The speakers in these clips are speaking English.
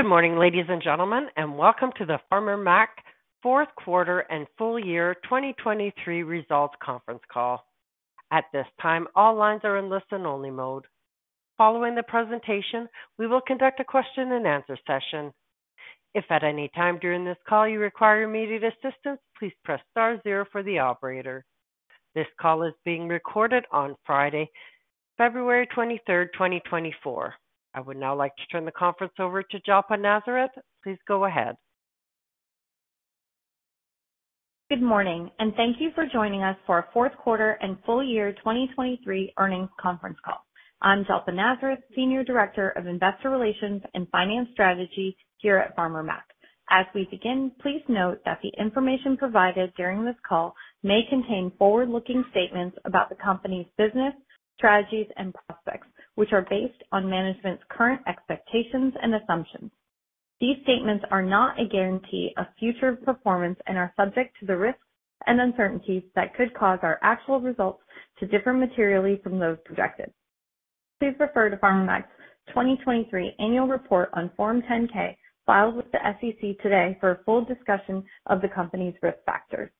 Good morning, ladies and gentlemen, and welcome to the Farmer Mac fourth quarter and full year 2023 results conference call. At this time, all lines are in listen-only mode. Following the presentation, we will conduct a question-and-answer session. If at any time during this call you require immediate assistance, please press star 0 for the operator. This call is being recorded on Friday, February 23rd, 2024. I would now like to turn the conference over to Jalpa Nazareth. Please go ahead. Good morning, and thank you for joining us for our fourth quarter and full year 2023 earnings conference call. I'm Jalpa Nazareth, Senior Director of Investor Relations and Finance Strategy here at Farmer Mac. As we begin, please note that the information provided during this call may contain forward-looking statements about the company's business, strategies, and prospects, which are based on management's current expectations and assumptions. These statements are not a guarantee of future performance and are subject to the risks and uncertainties that could cause our actual results to differ materially from those projected. Please refer to Farmer Mac's 2023 annual report on Form 10-K filed with the SEC today for a full discussion of the company's risk factors.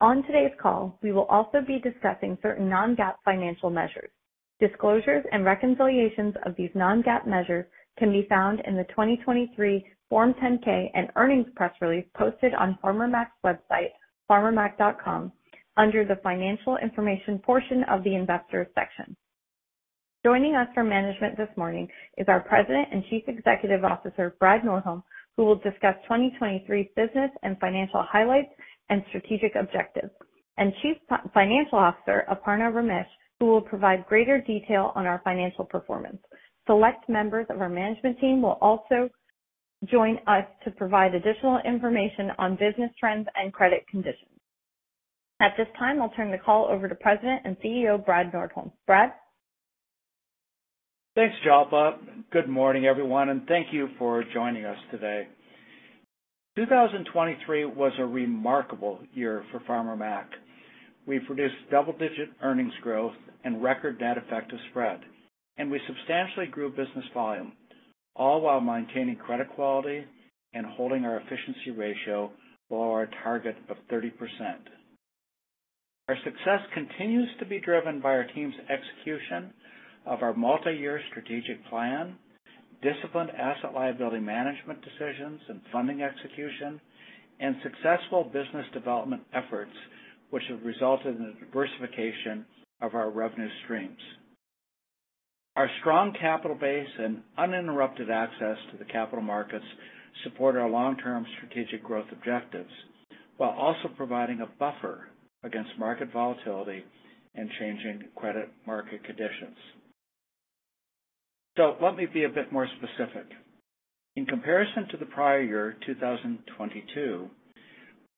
On today's call, we will also be discussing certain non-GAAP financial measures. Disclosures and reconciliations of these non-GAAP measures can be found in the 2023 10-K and earnings press release posted on Farmer Mac's website, farmermac.com, under the financial information portion of the investors section. Joining us from management this morning is our President and Chief Executive Officer, Brad Nordholm, who will discuss 2023 business and financial highlights and strategic objectives, and Chief Financial Officer, Aparna Ramesh, who will provide greater detail on our financial performance. Select members of our management team will also join us to provide additional information on business trends and credit conditions. At this time, I'll turn the call over to President and CEO, Brad Nordholm. Brad? Thanks, Jalpa. Good morning, everyone, and thank you for joining us today. 2023 was a remarkable year for Farmer Mac. We produced double-digit earnings growth and record net effective spread, and we substantially grew business volume, all while maintaining credit quality and holding our efficiency ratio below our target of 30%. Our success continues to be driven by our team's execution of our multi-year strategic plan, disciplined asset liability management decisions and funding execution, and successful business development efforts, which have resulted in a diversification of our revenue streams. Our strong capital base and uninterrupted access to the capital markets support our long-term strategic growth objectives while also providing a buffer against market volatility and changing credit market conditions. So let me be a bit more specific. In comparison to the prior year, 2022,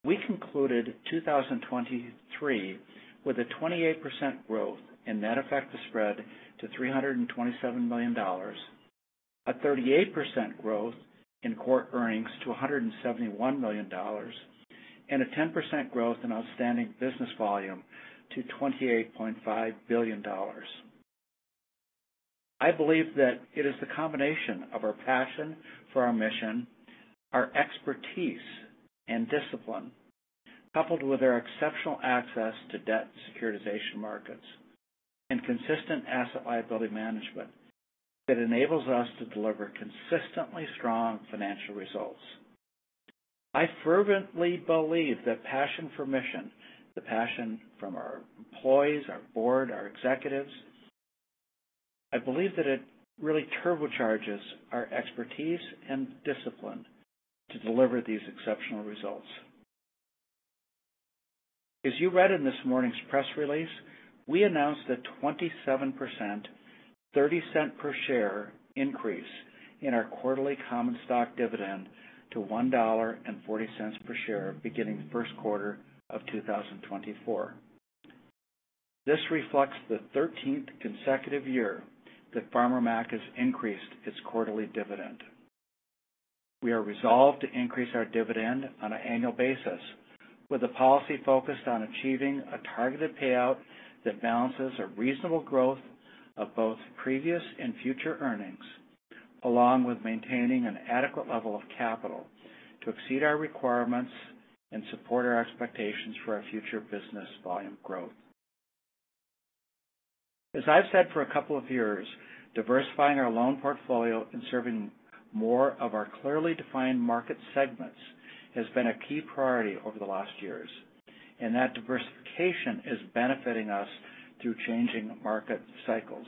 we concluded 2023 with a 28% growth in net effective spread to $327 million, a 38% growth in core earnings to $171 million, and a 10% growth in outstanding business volume to $28.5 billion. I believe that it is the combination of our passion for our mission, our expertise and discipline, coupled with our exceptional access to debt securitization markets and consistent asset liability management that enables us to deliver consistently strong financial results. I fervently believe that passion for mission, the passion from our employees, our board, our executives, I believe that it really turbocharges our expertise and discipline to deliver these exceptional results. As you read in this morning's press release, we announced a 27%, $0.30 per share increase in our quarterly common stock dividend to $1.40 per share beginning first quarter of 2024. This reflects the 13th consecutive year that Farmer Mac has increased its quarterly dividend. We are resolved to increase our dividend on an annual basis with a policy focused on achieving a targeted payout that balances a reasonable growth of both previous and future earnings, along with maintaining an adequate level of capital to exceed our requirements and support our expectations for our future business volume growth. As I've said for a couple of years, diversifying our loan portfolio and serving more of our clearly defined market segments has been a key priority over the last years, and that diversification is benefiting us through changing market cycles.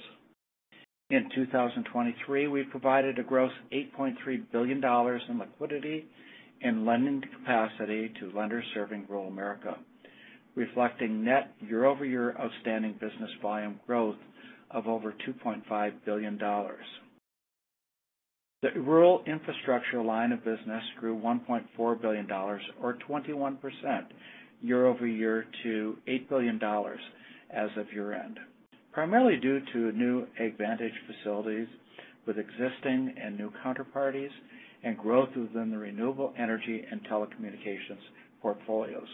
In 2023, we provided a gross $8.3 billion in liquidity and lending capacity to lenders serving rural America, reflecting net year-over-year outstanding business volume growth of over $2.5 billion. The Rural Infrastructure line of business grew $1.4 billion, or 21% year-over-year to $8 billion as of year-end, primarily due to new AgVantage facilities with existing and new counterparties and growth within the Renewable Energy and telecommunications portfolios.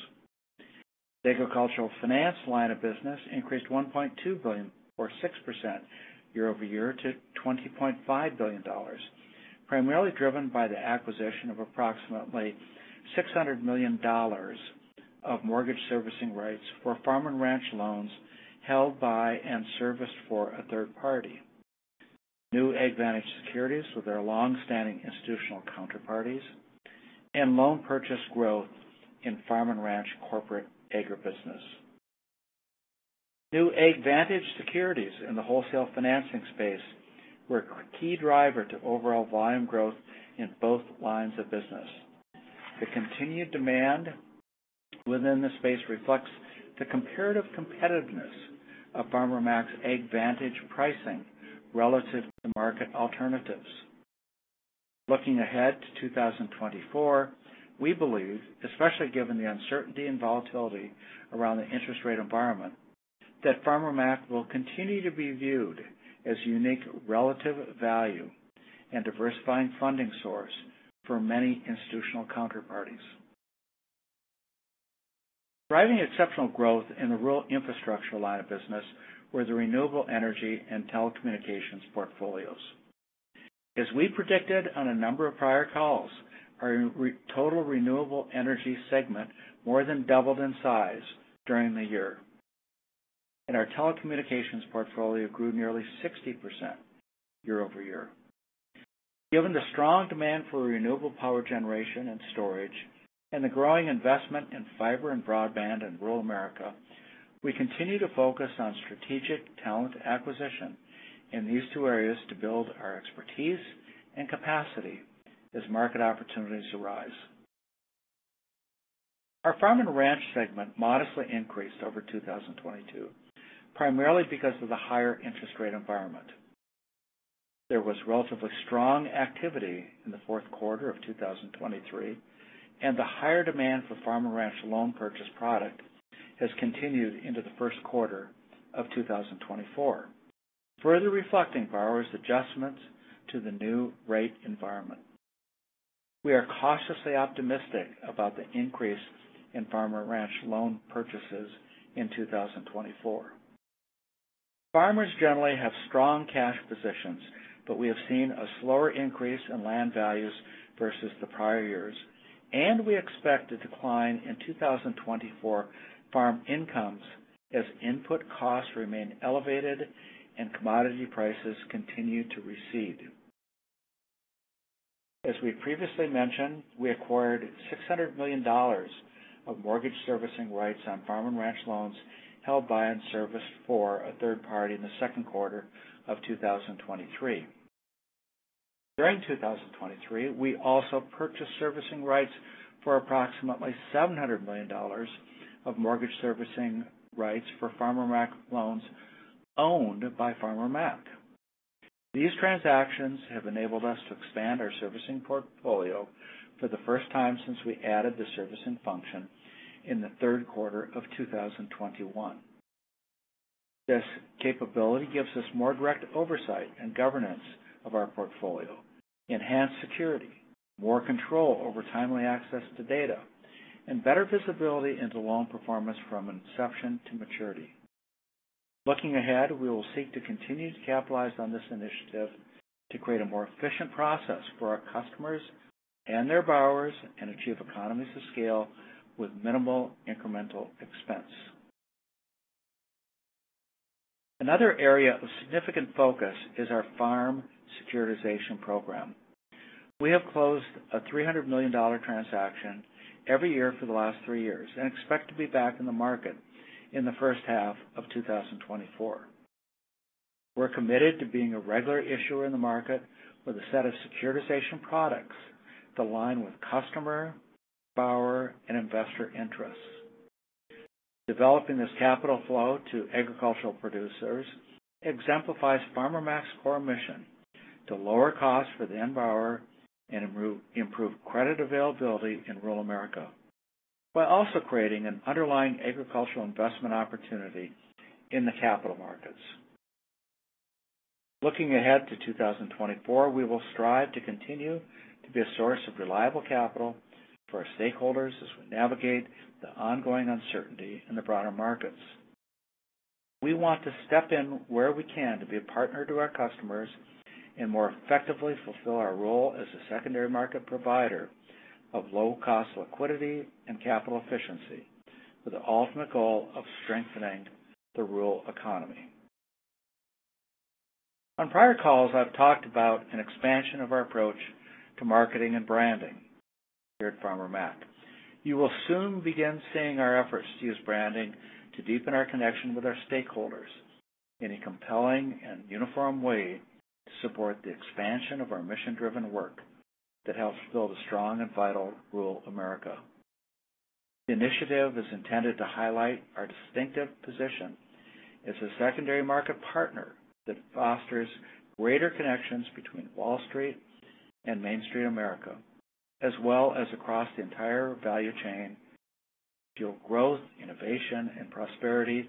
The Agricultural Finance line of business increased $1.2 billion, or 6% year-over-year to $20.5 billion, primarily driven by the acquisition of approximately $600 million of mortgage servicing rights for Farm & Ranch loans held by and serviced for a third party, new AgVantage securities with their longstanding institutional counterparties, and loan purchase growth in Farm & Ranch corporate agribusiness. New AgVantage securities in the wholesale financing space were a key driver to overall volume growth in both lines of business. The continued demand within the space reflects the comparative competitiveness of Farmer Mac's AgVantage pricing relative to market alternatives. Looking ahead to 2024, we believe, especially given the uncertainty and volatility around the interest rate environment, that Farmer Mac will continue to be viewed as a unique relative value and diversifying funding source for many institutional counterparties, driving exceptional growth in the Rural Infrastructure line of business with the Renewable Energy and telecommunications portfolios. As we predicted on a number of prior calls, our total Renewable Energy segment more than doubled in size during the year, and our telecommunications portfolio grew nearly 60% year-over-year. Given the strong demand for renewable power generation and storage and the growing investment in fiber and broadband in rural America, we continue to focus on strategic talent acquisition in these two areas to build our expertise and capacity as market opportunities arise. Our Farm & Ranch segment modestly increased over 2022, primarily because of the higher interest rate environment. There was relatively strong activity in the fourth quarter of 2023, and the higher demand for Farm & Ranch loan purchase product has continued into the first quarter of 2024, further reflecting borrowers' adjustments to the new rate environment. We are cautiously optimistic about the increase in Farm & Ranch loan purchases in 2024. Farmers generally have strong cash positions, but we have seen a slower increase in land values versus the prior years, and we expect a decline in 2024 farm incomes as input costs remain elevated and commodity prices continue to recede. As we previously mentioned, we acquired $600 million of mortgage servicing rights on Farm & Ranch loans held by and serviced for a third party in the second quarter of 2023. During 2023, we also purchased servicing rights for approximately $700 million of mortgage servicing rights for Farmer Mac loans owned by Farmer Mac. These transactions have enabled us to expand our servicing portfolio for the first time since we added the servicing function in the third quarter of 2021. This capability gives us more direct oversight and governance of our portfolio, enhanced security, more control over timely access to data, and better visibility into loan performance from inception to maturity. Looking ahead, we will seek to continue to capitalize on this initiative to create a more efficient process for our customers and their borrowers and achieve economies of scale with minimal incremental expense. Another area of significant focus is our farm securitization program. We have closed a $300 million transaction every year for the last three years and expect to be back in the market in the first half of 2024. We're committed to being a regular issuer in the market with a set of securitization products that align with customer, borrower, and investor interests. Developing this capital flow to agricultural producers exemplifies Farmer Mac's core mission to lower costs for the end borrower and improve credit availability in rural America while also creating an underlying agricultural investment opportunity in the capital markets. Looking ahead to 2024, we will strive to continue to be a source of reliable capital for our stakeholders as we navigate the ongoing uncertainty in the broader markets. We want to step in where we can to be a partner to our customers and more effectively fulfill our role as a secondary market provider of low-cost liquidity and capital efficiency with the ultimate goal of strengthening the rural economy. On prior calls, I've talked about an expansion of our approach to marketing and branding here at Farmer Mac. You will soon begin seeing our efforts to use branding to deepen our connection with our stakeholders in a compelling and uniform way to support the expansion of our mission-driven work that helps build a strong and vital rural America. The initiative is intended to highlight our distinctive position as a secondary market partner that fosters greater connections between Wall Street and Main Street America, as well as across the entire value chain, fuel growth, innovation, and prosperity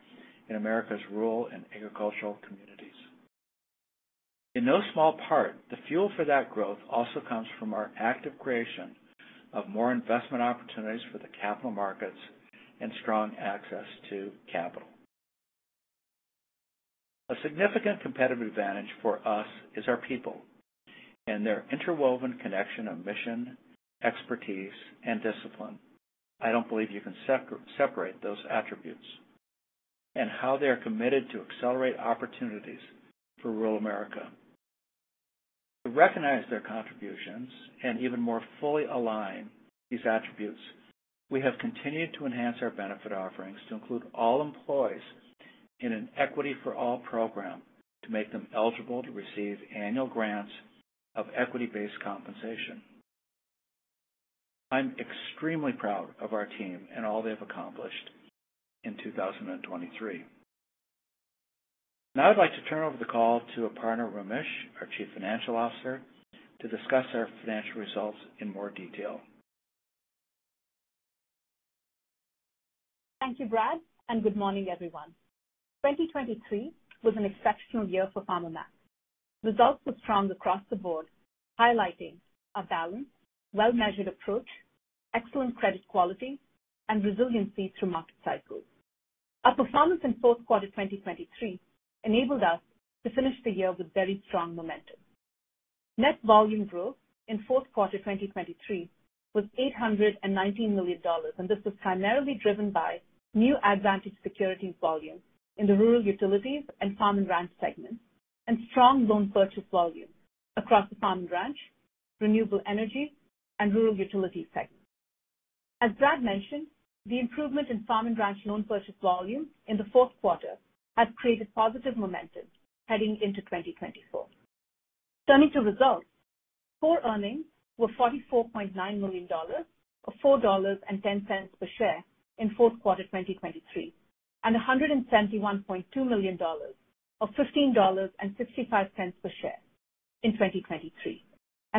in America's rural and agricultural communities. In no small part, the fuel for that growth also comes from our active creation of more investment opportunities for the capital markets and strong access to capital. A significant competitive advantage for us is our people and their interwoven connection of mission, expertise, and discipline. I don't believe you can separate those attributes and how they are committed to accelerate opportunities for rural America. To recognize their contributions and even more fully align these attributes, we have continued to enhance our benefit offerings to include all employees in an Equity for All program to make them eligible to receive annual grants of equity-based compensation. I'm extremely proud of our team and all they have accomplished in 2023. Now I'd like to turn over the call to Aparna Ramesh, our Chief Financial Officer, to discuss our financial results in more detail. Thank you, Brad, and good morning, everyone. 2023 was an exceptional year for Farmer Mac. Results were strong across the board, highlighting a balanced, well-measured approach, excellent credit quality, and resiliency through market cycles. Our performance in fourth quarter 2023 enabled us to finish the year with very strong momentum. Net volume growth in fourth quarter 2023 was $819 million, and this was primarily driven by new AgVantage securities volume in the Rural Utilities and Farm & Ranch segments and strong loan purchase volume across the Farm & Ranch, Renewable Energy, and Rural Utilities segments. As Brad mentioned, the improvement in Farm & Ranch loan purchase volume in the fourth quarter has created positive momentum heading into 2024. Turning to results, core earnings were $44.9 million or $4.10 per share in fourth quarter 2023 and $171.2 million or $15.65 per share in 2023.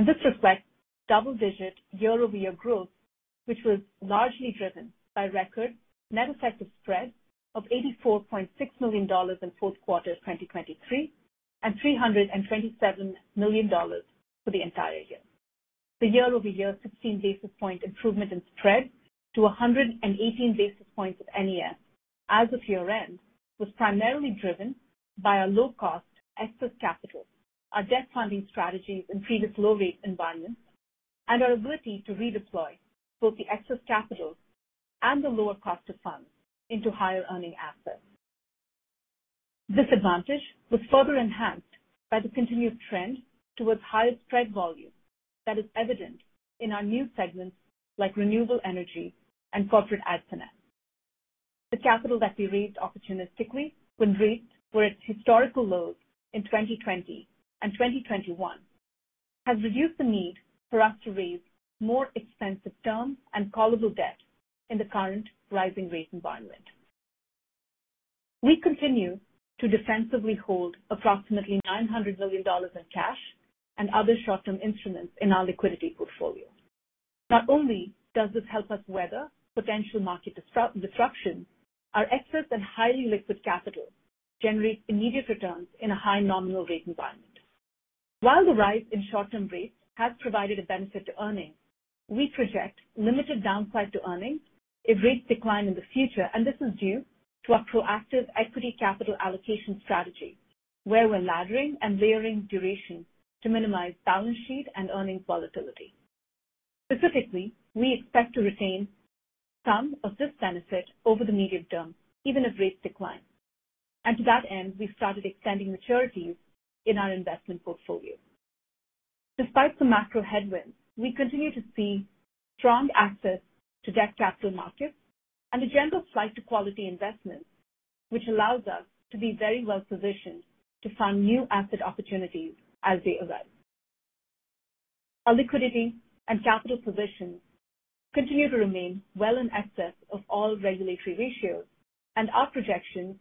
This reflects double-digit year-over-year growth, which was largely driven by record net effective spread of $84.6 million in fourth quarter 2023 and $327 million for the entire year. The year-over-year 16 basis point improvement in spread to 118 basis points of NES as of year-end was primarily driven by our low-cost excess capital, our debt funding strategies in previous low-rate environments, and our ability to redeploy both the excess capital and the lower cost of funds into higher earning assets. This advantage was further enhanced by the continued trend towards higher spread volume that is evident in our new segments like Renewable Energy and Corporate AgFinance. The capital that we raised opportunistically when rates were at historical lows in 2020 and 2021 has reduced the need for us to raise more expensive term and callable debt in the current rising rate environment. We continue to defensively hold approximately $900 million in cash and other short-term instruments in our liquidity portfolio. Not only does this help us weather potential market disruption, our excess and highly liquid capital generate immediate returns in a high nominal rate environment. While the rise in short-term rates has provided a benefit to earnings, we project limited downside to earnings if rates decline in the future, and this is due to our proactive equity capital allocation strategy where we're laddering and layering duration to minimize balance sheet and earnings volatility. Specifically, we expect to retain some of this benefit over the medium term, even if rates decline. To that end, we've started extending maturities in our investment portfolio. Despite the macro headwinds, we continue to see strong access to debt capital markets and a general flight to quality investments, which allows us to be very well positioned to find new asset opportunities as they arise. Our liquidity and capital positions continue to remain well in excess of all regulatory ratios, and our projections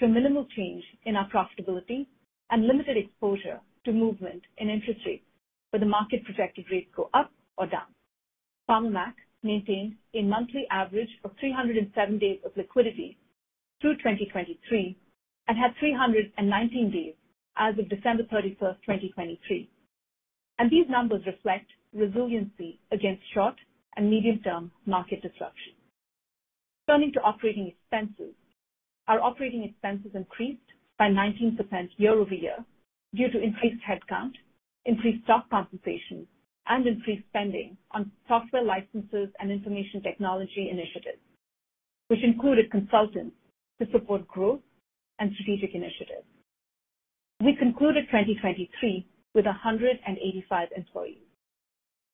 show minimal change in our profitability and limited exposure to movement in interest rates where the market projected rates go up or down. Farmer Mac maintained a monthly average of 307 days of liquidity through 2023 and had 319 days as of December 31st, 2023. These numbers reflect resiliency against short and medium-term market disruption. Turning to operating expenses, our operating expenses increased by 19% year-over-year due to increased headcount, increased stock compensation, and increased spending on software licenses and information technology initiatives, which included consultants to support growth and strategic initiatives. We concluded 2023 with 185 employees.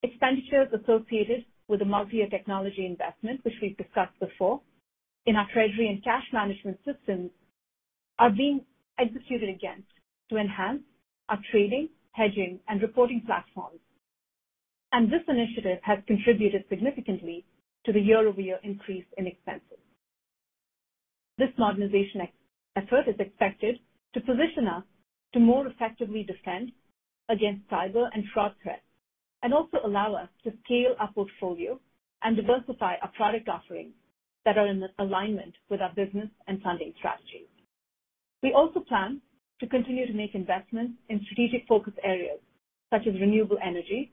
Expenditures associated with the multi-year technology investment, which we've discussed before, in our treasury and cash management systems are being executed against to enhance our trading, hedging, and reporting platforms. This initiative has contributed significantly to the year-over-year increase in expenses. This modernization effort is expected to position us to more effectively defend against cyber and fraud threats and also allow us to scale our portfolio and diversify our product offerings that are in alignment with our business and funding strategies. We also plan to continue to make investments in strategic focus areas such as Renewable Energy,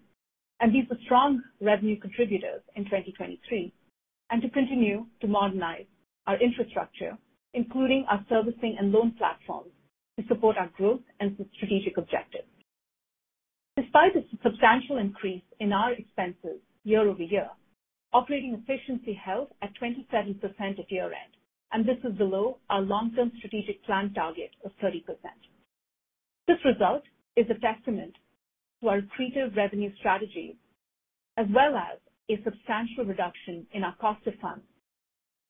and these were strong revenue contributors in 2023, and to continue to modernize our infrastructure, including our servicing and loan platforms, to support our growth and strategic objectives. Despite this substantial increase in our expenses year-over-year, operating efficiency held at 27% at year-end, and this is below our long-term strategic plan target of 30%. This result is a testament to our creative revenue strategies as well as a substantial reduction in our cost of funds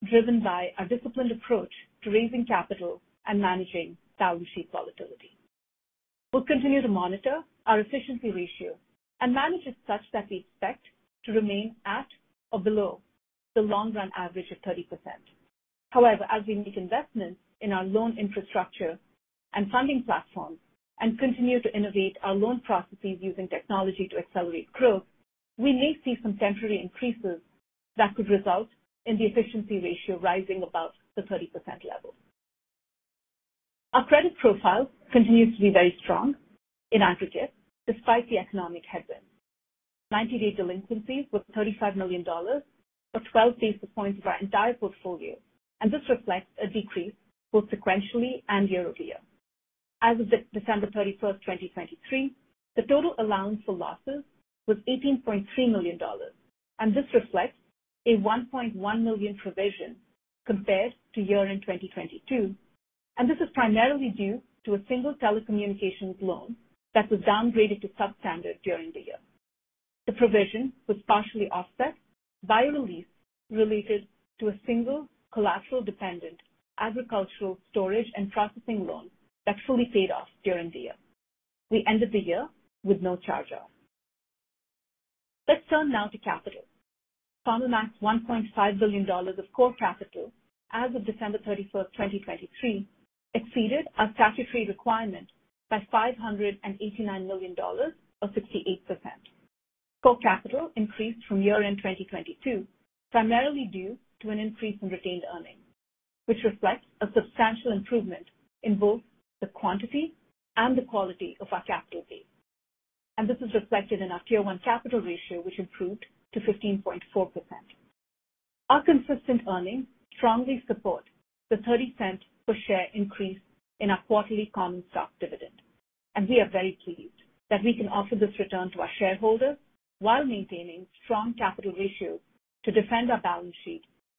driven by our disciplined approach to raising capital and managing balance sheet volatility. We'll continue to monitor our efficiency ratio and manage it such that we expect to remain at or below the long-run average of 30%. However, as we make investments in our loan infrastructure and funding platforms and continue to innovate our loan processes using technology to accelerate growth, we may see some temporary increases that could result in the efficiency ratio rising above the 30% level. Our credit profile continues to be very strong in aggregate despite the economic headwinds. 90-day delinquencies were $35 million or 12 basis points of our entire portfolio, and this reflects a decrease both sequentially and year-over-year. As of December 31st, 2023, the total allowance for losses was $18.3 million, and this reflects a $1.1 million provision compared to year-end 2022, and this is primarily due to a single telecommunications loan that was downgraded to substandard during the year. The provision was partially offset via release related to a single collateral-dependent agricultural storage and processing loan that fully paid off during the year. We ended the year with no charge off. Let's turn now to capital. Farmer Mac's $1.5 billion of core capital as of December 31st, 2023, exceeded our statutory requirement by $589 million or 68%. Core capital increased from year-end 2022 primarily due to an increase in retained earnings, which reflects a substantial improvement in both the quantity and the quality of our capital base. This is reflected in our Tier 1 capital ratio, which improved to 15.4%. Our consistent earnings strongly support the $0.30 per share increase in our quarterly common stock dividend, and we are very pleased that we can offer this return to our shareholders while maintaining strong capital ratios to defend our balance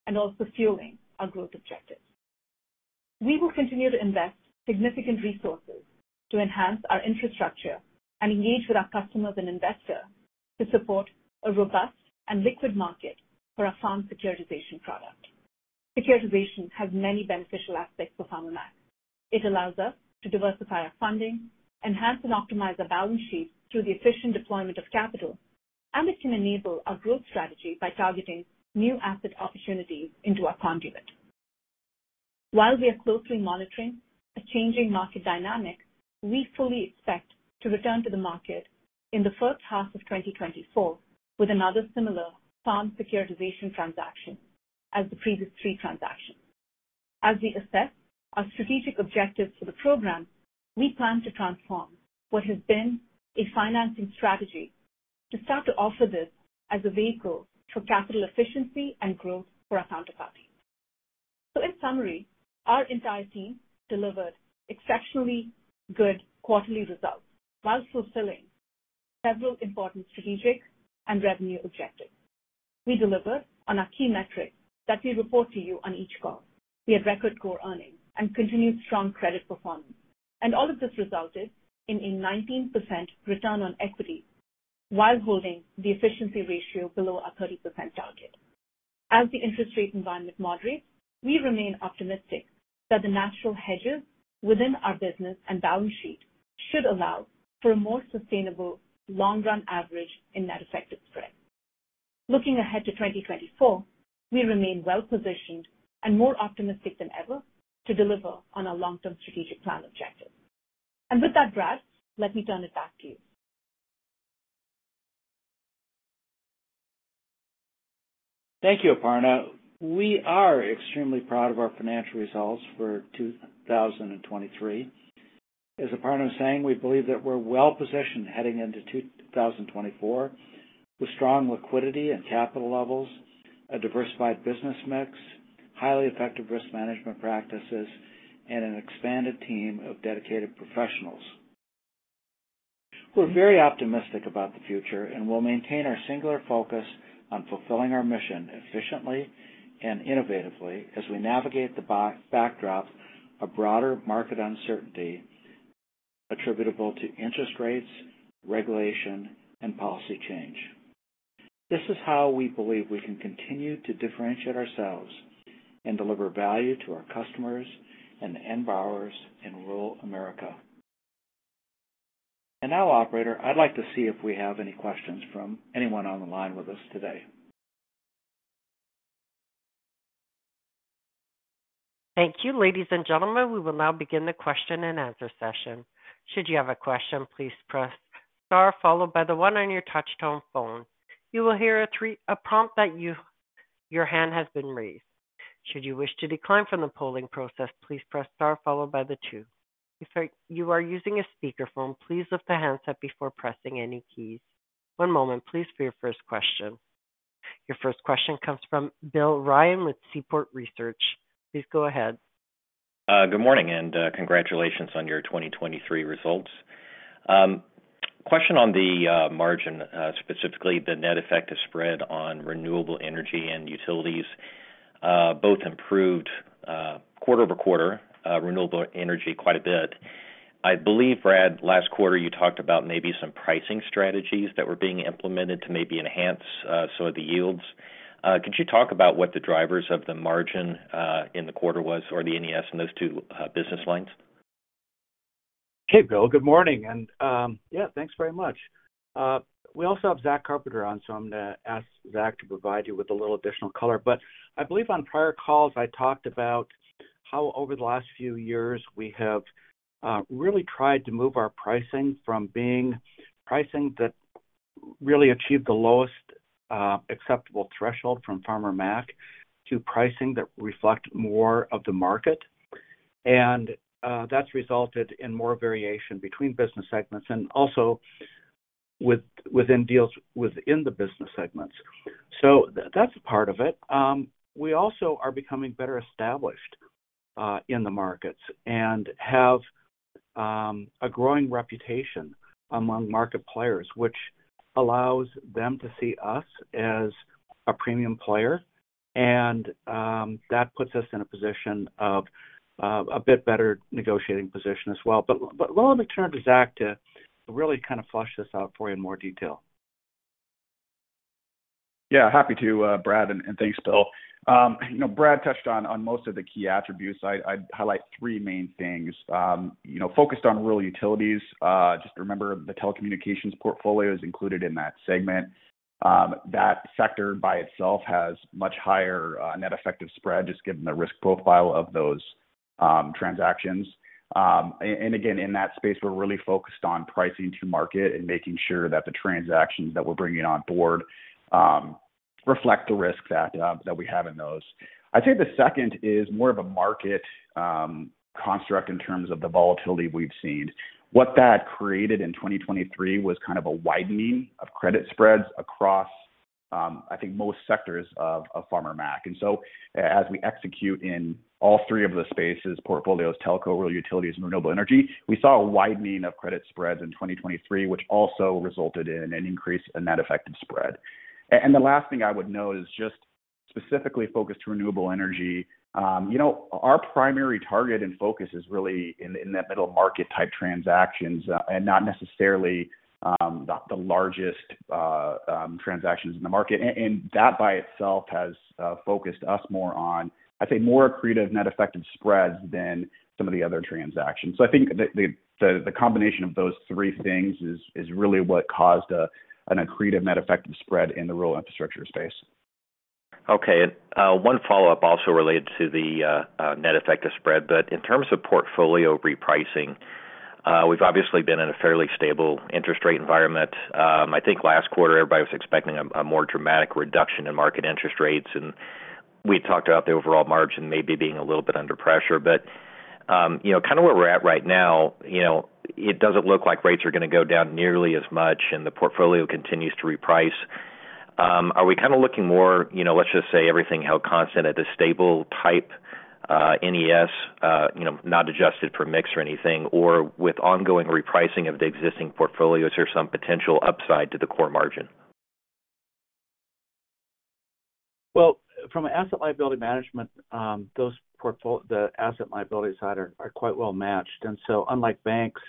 sheet and also fueling our growth objectives. We will continue to invest significant resources to enhance our infrastructure and engage with our customers and investors to support a robust and liquid market for our farm securitization product. Securitization has many beneficial aspects for Farmer Mac. It allows us to diversify our funding, enhance and optimize our balance sheet through the efficient deployment of capital, and it can enable our growth strategy by targeting new asset opportunities into our conduit. While we are closely monitoring a changing market dynamic, we fully expect to return to the market in the first half of 2024 with another similar farm securitization transaction as the previous three transactions. As we assess our strategic objectives for the program, we plan to transform what has been a financing strategy to start to offer this as a vehicle for capital efficiency and growth for our counterparty. So in summary, our entire team delivered exceptionally good quarterly results while fulfilling several important strategic and revenue objectives. We delivered on our key metrics that we report to you on each call. We had record core earnings and continued strong credit performance, and all of this resulted in a 19% return on equity while holding the efficiency ratio below our 30% target. As the interest rate environment moderates, we remain optimistic that the natural hedges within our business and balance sheet should allow for a more sustainable long-run average in net effective spread. Looking ahead to 2024, we remain well positioned and more optimistic than ever to deliver on our long-term strategic plan objectives. With that, Brad, let me turn it back to you. Thank you, Aparna. We are extremely proud of our financial results for 2023. As Aparna was saying, we believe that we're well positioned heading into 2024 with strong liquidity and capital levels, a diversified business mix, highly effective risk management practices, and an expanded team of dedicated professionals. We're very optimistic about the future and will maintain our singular focus on fulfilling our mission efficiently and innovatively as we navigate the backdrop of broader market uncertainty attributable to interest rates, regulation, and policy change. This is how we believe we can continue to differentiate ourselves and deliver value to our customers and end buyers in rural America. And now, operator, I'd like to see if we have any questions from anyone on the line with us today. Thank you. Ladies and gentlemen, we will now begin the question and answer session. Should you have a question, please press star followed by the one on your touchscreen phone. You will hear a prompt that your hand has been raised. Should you wish to decline from the polling process, please press star followed by the two. If you are using a speakerphone, please lift the handset before pressing any keys. One moment, please, for your first question. Your first question comes from Bill Ryan with Seaport Research. Please go ahead. Good morning and congratulations on your 2023 results. Question on the margin, specifically the Net Effective Spread on Renewable Energy and utilities. Both improved quarter-over-quarter, Renewable Energy quite a bit. I believe, Brad, last quarter you talked about maybe some pricing strategies that were being implemented to maybe enhance some of the yields. Could you talk about what the drivers of the margin in the quarter was or the NES in those two business lines? Hey, Bill. Good morning. And yeah, thanks very much. We also have Zach Carpenter on, so I'm going to ask Zach to provide you with a little additional color. But I believe on prior calls, I talked about how over the last few years we have really tried to move our pricing from being pricing that really achieved the lowest acceptable threshold from Farmer Mac to pricing that reflect more of the market. And that's resulted in more variation between business segments and also within deals within the business segments. So that's part of it. We also are becoming better established in the markets and have a growing reputation among market players, which allows them to see us as a premium player, and that puts us in a position of a bit better negotiating position as well. Let me turn to Zach to really kind of flesh this out for you in more detail. Yeah, happy to, Brad, and thanks, Bill. Brad touched on most of the key attributes. I'd highlight three main things. Focused on Rural Utilities, just remember the telecommunications portfolio is included in that segment. That sector by itself has much higher net effective spread just given the risk profile of those transactions. And again, in that space, we're really focused on pricing to market and making sure that the transactions that we're bringing on board reflect the risks that we have in those. I'd say the second is more of a market construct in terms of the volatility we've seen. What that created in 2023 was kind of a widening of credit spreads across, I think, most sectors of Farmer Mac. And so as we execute in all three of the spaces, portfolios, telco, Rural Utilities, and Renewable Energy, we saw a widening of credit spreads in 2023, which also resulted in an increase in net effective spread. And the last thing I would note is just specifically focused to Renewable Energy. Our primary target and focus is really in that middle market type transactions and not necessarily the largest transactions in the market. And that by itself has focused us more on, I'd say, more accretive net effective spreads than some of the other transactions. So I think the combination of those three things is really what caused an accretive net effective spread in the Rural Infrastructure space. Okay. One follow-up also related to the net effective spread, but in terms of portfolio repricing, we've obviously been in a fairly stable interest rate environment. I think last quarter, everybody was expecting a more dramatic reduction in market interest rates, and we had talked about the overall margin maybe being a little bit under pressure. But kind of where we're at right now, it doesn't look like rates are going to go down nearly as much, and the portfolio continues to reprice. Are we kind of looking more, let's just say, everything held constant at a stable type NES, not adjusted for mix or anything, or with ongoing repricing of the existing portfolios, is there some potential upside to the core margin? Well, from an asset liability management, the asset liability side are quite well matched. So unlike banks,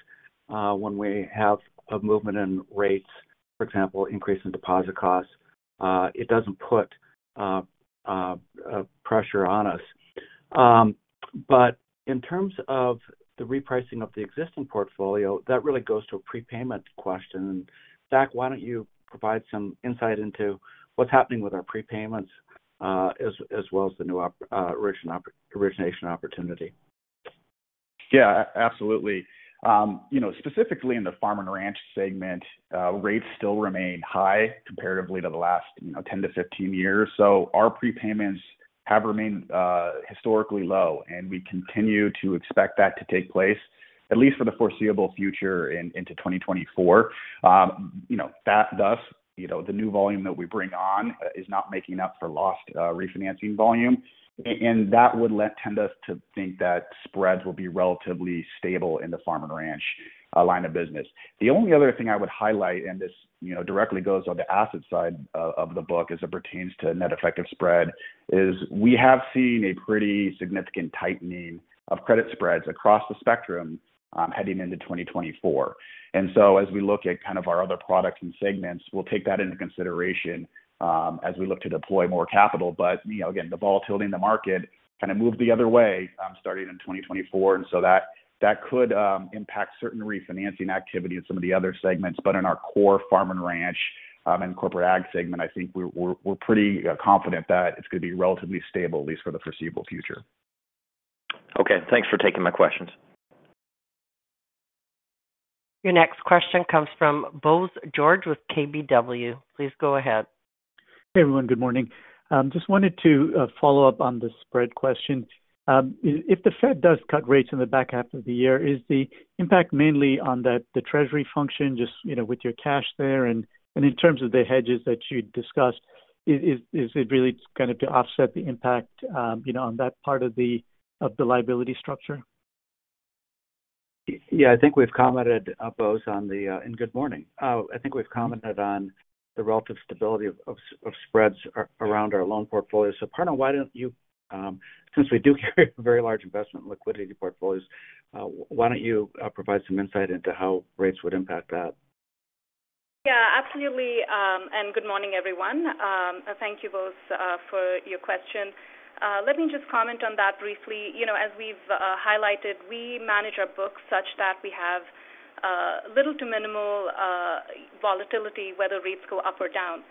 when we have a movement in rates, for example, increase in deposit costs, it doesn't put pressure on us. In terms of the repricing of the existing portfolio, that really goes to a prepayment question. Zach, why don't you provide some insight into what's happening with our prepayments as well as the new origination opportunity? Yeah, absolutely. Specifically in the Farm & Ranch segment, rates still remain high comparatively to the last 10-15 years. So our prepayments have remained historically low, and we continue to expect that to take place, at least for the foreseeable future into 2024. Thus, the new volume that we bring on is not making up for lost refinancing volume. And that would tend us to think that spreads will be relatively stable in the Farm & Ranch line of business. The only other thing I would highlight, and this directly goes on the asset side of the book as it pertains to Net Effective Spread, is we have seen a pretty significant tightening of credit spreads across the spectrum heading into 2024. And so as we look at kind of our other products and segments, we'll take that into consideration as we look to deploy more capital. But again, the volatility in the market kind of moved the other way starting in 2024, and so that could impact certain refinancing activity in some of the other segments. But in our core Farm & Ranch and Corporate Ag segment, I think we're pretty confident that it's going to be relatively stable, at least for the foreseeable future. Okay. Thanks for taking my questions. Your next question comes from Bose George with KBW. Please go ahead. Hey, everyone. Good morning. Just wanted to follow up on the spread question. If the Fed does cut rates in the back half of the year, is the impact mainly on the Treasury function just with your cash there? And in terms of the hedges that you discussed, is it really going to offset the impact on that part of the liability structure? Yeah, I think we've commented on Bose, and good morning. I think we've commented on the relative stability of spreads around our loan portfolios. So, Aparna, why don't you, since we do carry a very large investment in liquidity portfolios, why don't you provide some insight into how rates would impact that? Yeah, absolutely. Good morning, everyone. Thank you, Bose, for your question. Let me just comment on that briefly. As we've highlighted, we manage our books such that we have little to minimal volatility, whether rates go up or down.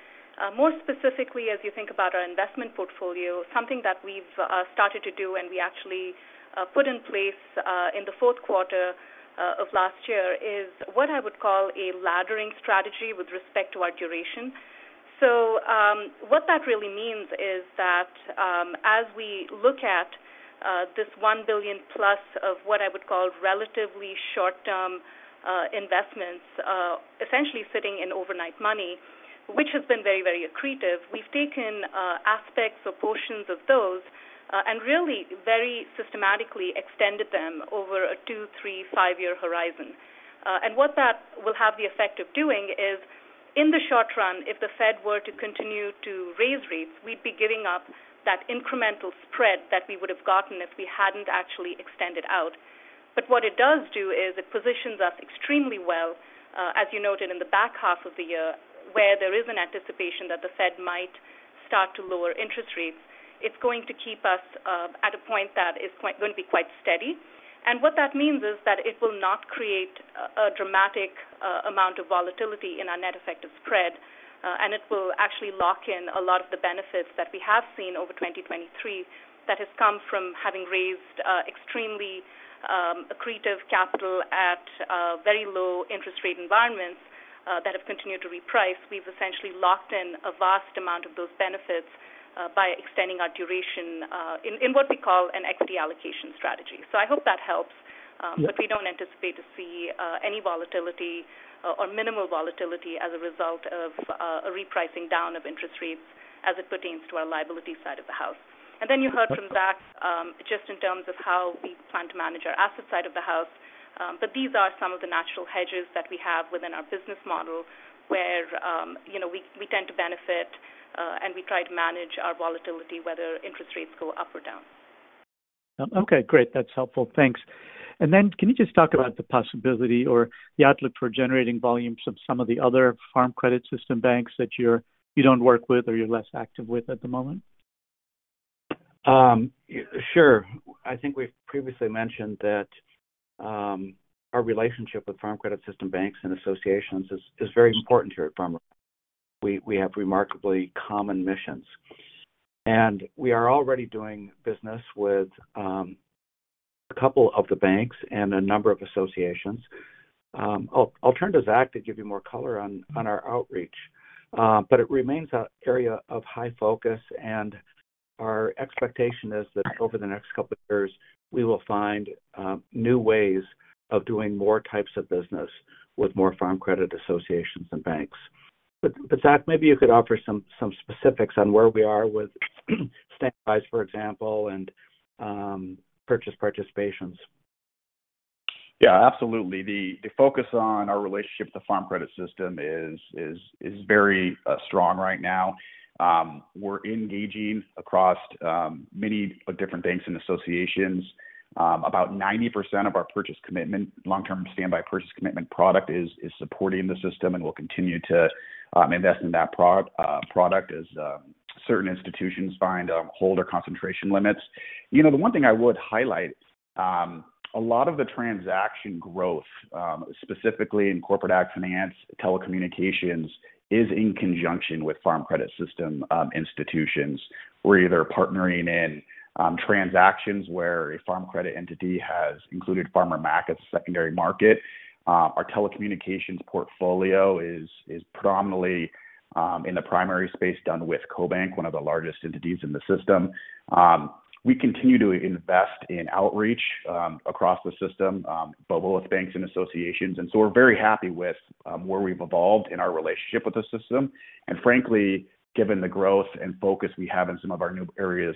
More specifically, as you think about our investment portfolio, something that we've started to do and we actually put in place in the fourth quarter of last year is what I would call a laddering strategy with respect to our duration. What that really means is that as we look at this $1 billion plus of what I would call relatively short-term investments, essentially sitting in overnight money, which has been very, very accretive, we've taken aspects or portions of those and really very systematically extended them over a two, three, five-year horizon. What that will have the effect of doing is, in the short run, if the Fed were to continue to raise rates, we'd be giving up that incremental spread that we would have gotten if we hadn't actually extended out. But what it does do is it positions us extremely well, as you noted, in the back half of the year, where there is an anticipation that the Fed might start to lower interest rates. It's going to keep us at a point that is going to be quite steady. And what that means is that it will not create a dramatic amount of volatility in our net effective spread, and it will actually lock in a lot of the benefits that we have seen over 2023 that have come from having raised extremely accretive capital at very low interest rate environments that have continued to reprice. We've essentially locked in a vast amount of those benefits by extending our duration in what we call an equity allocation strategy. So I hope that helps, but we don't anticipate to see any volatility or minimal volatility as a result of a repricing down of interest rates as it pertains to our liability side of the house. And then you heard from Zach just in terms of how we plan to manage our asset side of the house. But these are some of the natural hedges that we have within our business model where we tend to benefit and we try to manage our volatility, whether interest rates go up or down. Okay, great. That's helpful. Thanks. And then can you just talk about the possibility or the outlook for generating volumes from some of the other Farm Credit System banks that you don't work with or you're less active with at the moment? Sure. I think we've previously mentioned that our relationship with Farm Credit System banks and associations is very important here at Farmer Mac. We have remarkably common missions. We are already doing business with a couple of the banks and a number of associations. I'll turn to Zach to give you more color on our outreach, but it remains an area of high focus, and our expectation is that over the next couple of years, we will find new ways of doing more types of business with more Farm Credit System associations and banks. But Zach, maybe you could offer some specifics on where we are with Standby's, for example, and purchase participations. Yeah, absolutely. The focus on our relationship with the Farm Credit System is very strong right now. We're engaging across many different banks and associations. About 90% of our long-term standby purchase commitment product is supporting the system, and we'll continue to invest in that product as certain institutions find holder concentration limits. The one thing I would highlight, a lot of the transaction growth, specifically in Corporate AgFinance, telecommunications, is in conjunction with Farm Credit System institutions. We're either partnering in transactions where a Farm Credit System entity has included Farmer Mac as a secondary market. Our telecommunications portfolio is predominantly in the primary space done with CoBank, one of the largest entities in the system. We continue to invest in outreach across the system, both banks and associations. And so we're very happy with where we've evolved in our relationship with the system. Frankly, given the growth and focus we have in some of our new areas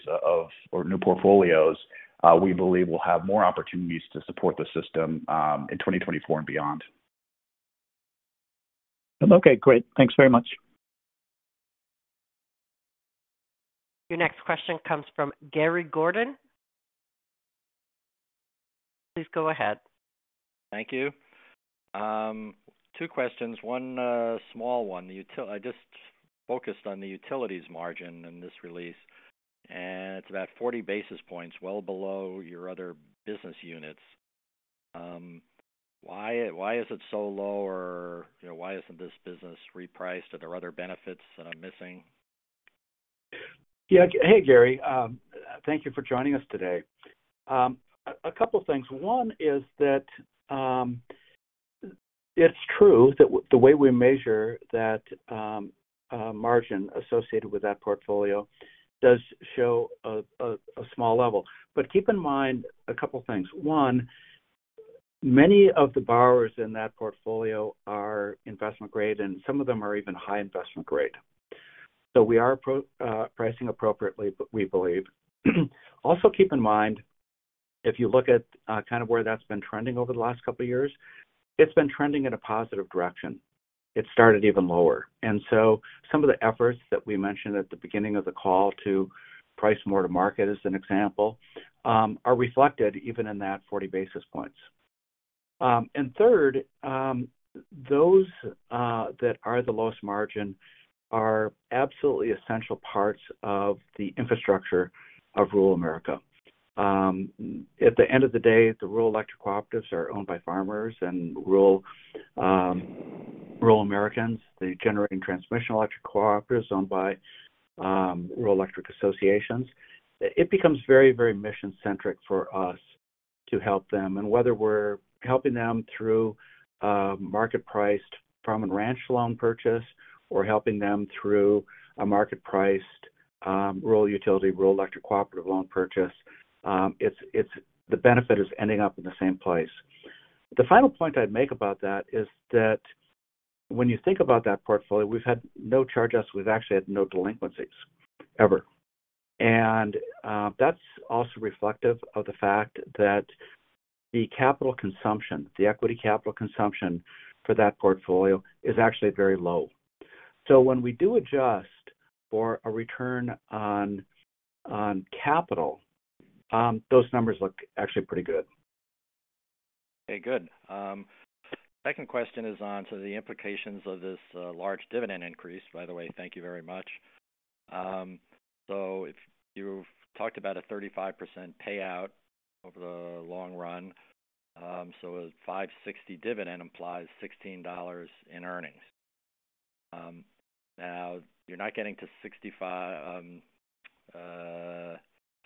or new portfolios, we believe we'll have more opportunities to support the system in 2024 and beyond. Okay, great. Thanks very much. Your next question comes from Gary Gordon. Please go ahead. Thank you. Two questions. One small one. I just focused on the utilities margin in this release, and it's about 40 basis points, well below your other business units. Why is it so low, or why isn't this business repriced? Are there other benefits that I'm missing? Yeah. Hey, Gary. Thank you for joining us today. A couple of things. One is that it's true that the way we measure that margin associated with that portfolio does show a small level. But keep in mind a couple of things. One, many of the borrowers in that portfolio are investment grade, and some of them are even high investment grade. So we are pricing appropriately, we believe. Also, keep in mind, if you look at kind of where that's been trending over the last couple of years, it's been trending in a positive direction. It started even lower. And so some of the efforts that we mentioned at the beginning of the call to price more to market, as an example, are reflected even in that 40 basis points. And third, those that are the lowest margin are absolutely essential parts of the infrastructure of rural America. At the end of the day, the rural electric cooperatives are owned by farmers and rural Americans. The generating transmission electric cooperative is owned by rural electric associations. It becomes very, very mission-centric for us to help them. And whether we're helping them through a market-priced Farm & Ranch loan purchase or helping them through a market-priced rural utility, rural electric cooperative loan purchase, the benefit is ending up in the same place. The final point I'd make about that is that when you think about that portfolio, we've had no charge-offs. We've actually had no delinquencies, ever. And that's also reflective of the fact that the equity capital consumption for that portfolio is actually very low. So when we do adjust for a return on capital, those numbers look actually pretty good. Hey, good. Second question is on some of the implications of this large dividend increase. By the way, thank you very much. So you've talked about a 35% payout over the long run. So a $5.60 dividend implies $16 in earnings. Now, you're not getting to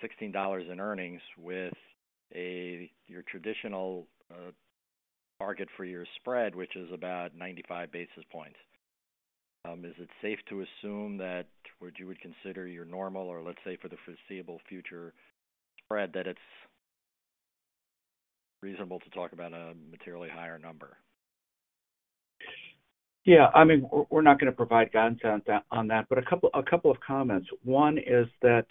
$16 in earnings with your traditional target for your spread, which is about 95 basis points. Is it safe to assume that what you would consider your normal or, let's say, for the foreseeable future spread, that it's reasonable to talk about a materially higher number? Yeah. I mean, we're not going to provide guidance on that, but a couple of comments. One is that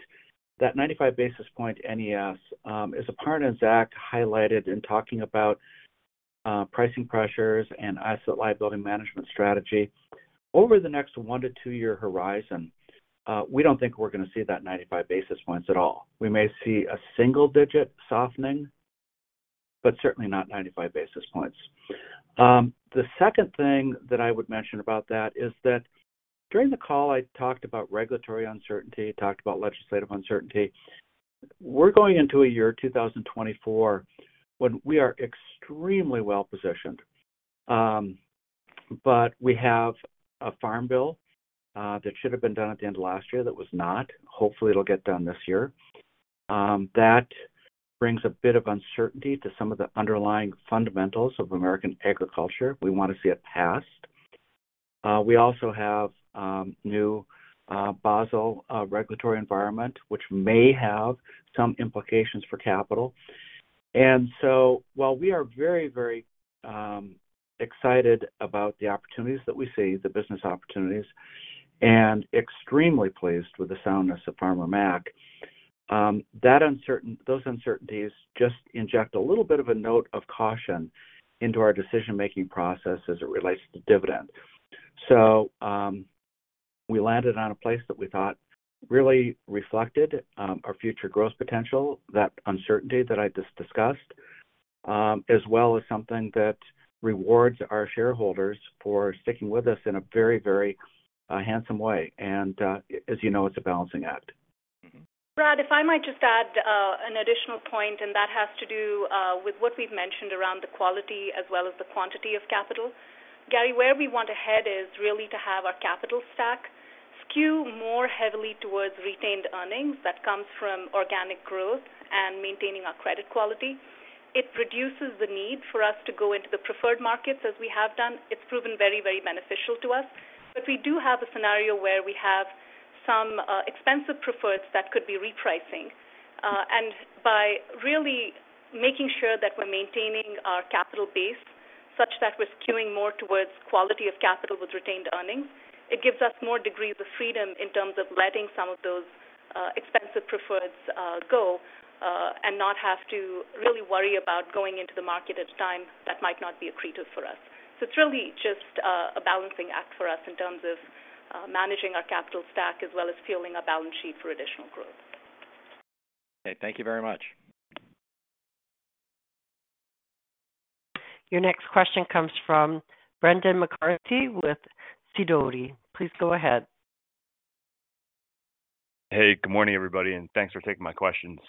that 95 basis point NES is, Aparna and Zach highlighted in talking about pricing pressures and asset liability management strategy. Over the next 1-2-year horizon, we don't think we're going to see that 95 basis points at all. We may see a single-digit softening, but certainly not 95 basis points. The second thing that I would mention about that is that during the call, I talked about regulatory uncertainty, talked about legislative uncertainty. We're going into a year, 2024, when we are extremely well-positioned. But we have a Farm Bill that should have been done at the end of last year that was not. Hopefully, it'll get done this year. That brings a bit of uncertainty to some of the underlying fundamentals of American agriculture. We want to see it passed. We also have new Basel regulatory environment, which may have some implications for capital. And so while we are very, very excited about the opportunities that we see, the business opportunities, and extremely pleased with the soundness of Farmer Mac, those uncertainties just inject a little bit of a note of caution into our decision-making process as it relates to dividend. So we landed on a place that we thought really reflected our future growth potential, that uncertainty that I just discussed, as well as something that rewards our shareholders for sticking with us in a very, very handsome way. And as you know, it's a balancing act. Brad, if I might just add an additional point, and that has to do with what we've mentioned around the quality as well as the quantity of capital. Gary, where we want to head is really to have our capital stack skew more heavily towards retained earnings. That comes from organic growth and maintaining our credit quality. It reduces the need for us to go into the preferred markets as we have done. It's proven very, very beneficial to us. But we do have a scenario where we have some expensive preferreds that could be repricing. By really making sure that we're maintaining our capital base such that we're skewing more towards quality of capital with retained earnings, it gives us more degrees of freedom in terms of letting some of those expensive preferreds go and not have to really worry about going into the market at a time that might not be accretive for us. It's really just a balancing act for us in terms of managing our capital stack as well as fueling our balance sheet for additional growth. Okay. Thank you very much. Your next question comes from Brendan McCarthy with Sidoti. Please go ahead. Hey, good morning, everybody, and thanks for taking my questions.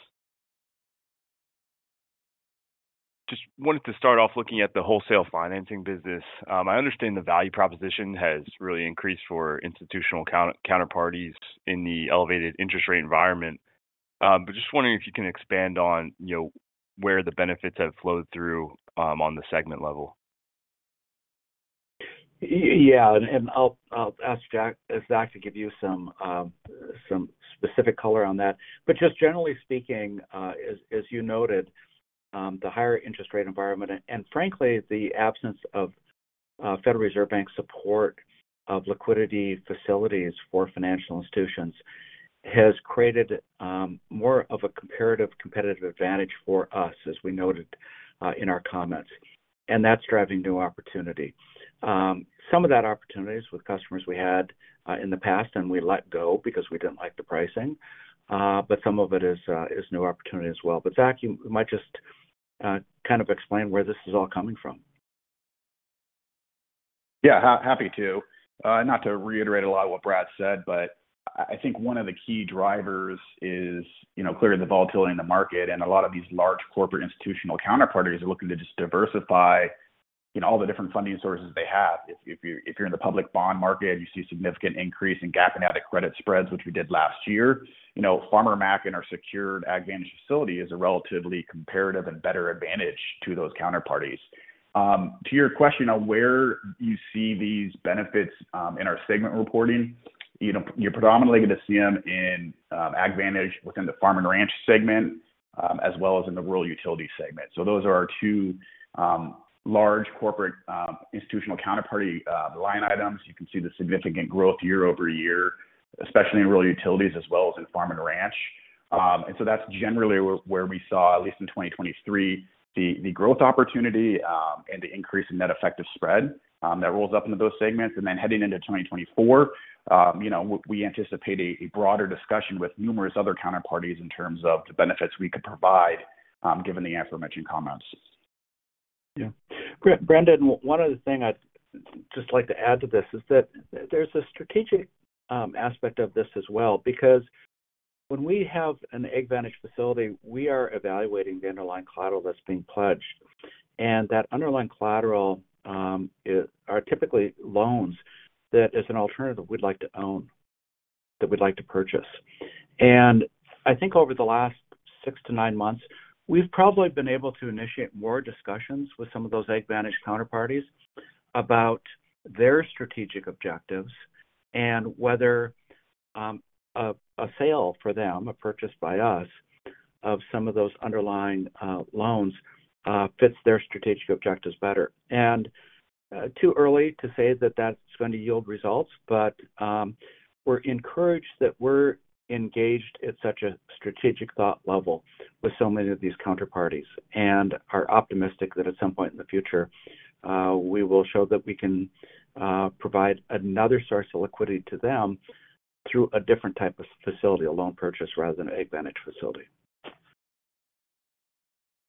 Just wanted to start off looking at the wholesale financing business. I understand the value proposition has really increased for institutional counterparties in the elevated interest rate environment, but just wondering if you can expand on where the benefits have flowed through on the segment level. Yeah. I'll ask Zach to give you some specific color on that. But just generally speaking, as you noted, the higher interest rate environment and frankly, the absence of Federal Reserve Bank support of liquidity facilities for financial institutions has created more of a comparative competitive advantage for us, as we noted in our comments. That's driving new opportunity. Some of that opportunity is with customers we had in the past, and we let go because we didn't like the pricing. But some of it is new opportunity as well. But Zach, you might just kind of explain where this is all coming from. Yeah, happy to. Not to reiterate a lot of what Brad said, but I think one of the key drivers is clearly the volatility in the market. A lot of these large corporate institutional counterparties are looking to just diversify all the different funding sources they have. If you're in the public bond market, you see significant increase in gapped-out credit spreads, which we did last year. Farmer Mac in our secured AgVantage facility is a relatively comparative and better advantage to those counterparties. To your question of where you see these benefits in our segment reporting, you're predominantly going to see them in AgVantage within the Farm & Ranch segment as well as in the Rural Utilities segment. So those are our two large corporate institutional counterparty line items. You can see the significant growth year-over-year, especially in Rural Utilities as well as in Farm & Ranch. And so that's generally where we saw, at least in 2023, the growth opportunity and the increase in net effective spread that rolls up into those segments. And then heading into 2024, we anticipate a broader discussion with numerous other counterparties in terms of the benefits we could provide given the aforementioned comments. Yeah. Brendan, one other thing I'd just like to add to this is that there's a strategic aspect of this as well. Because when we have an AgVantage facility, we are evaluating the underlying collateral that's being pledged. And that underlying collateral are typically loans that, as an alternative, we'd like to own, that we'd like to purchase. And I think over the last 6-9 months, we've probably been able to initiate more discussions with some of those AgVantage counterparties about their strategic objectives and whether a sale for them, a purchase by us, of some of those underlying loans fits their strategic objectives better. It's too early to say that that's going to yield results, but we're encouraged that we're engaged at such a strategic thought level with so many of these counterparties and are optimistic that at some point in the future, we will show that we can provide another source of liquidity to them through a different type of facility, a loan purchase rather than an AgVantage facility.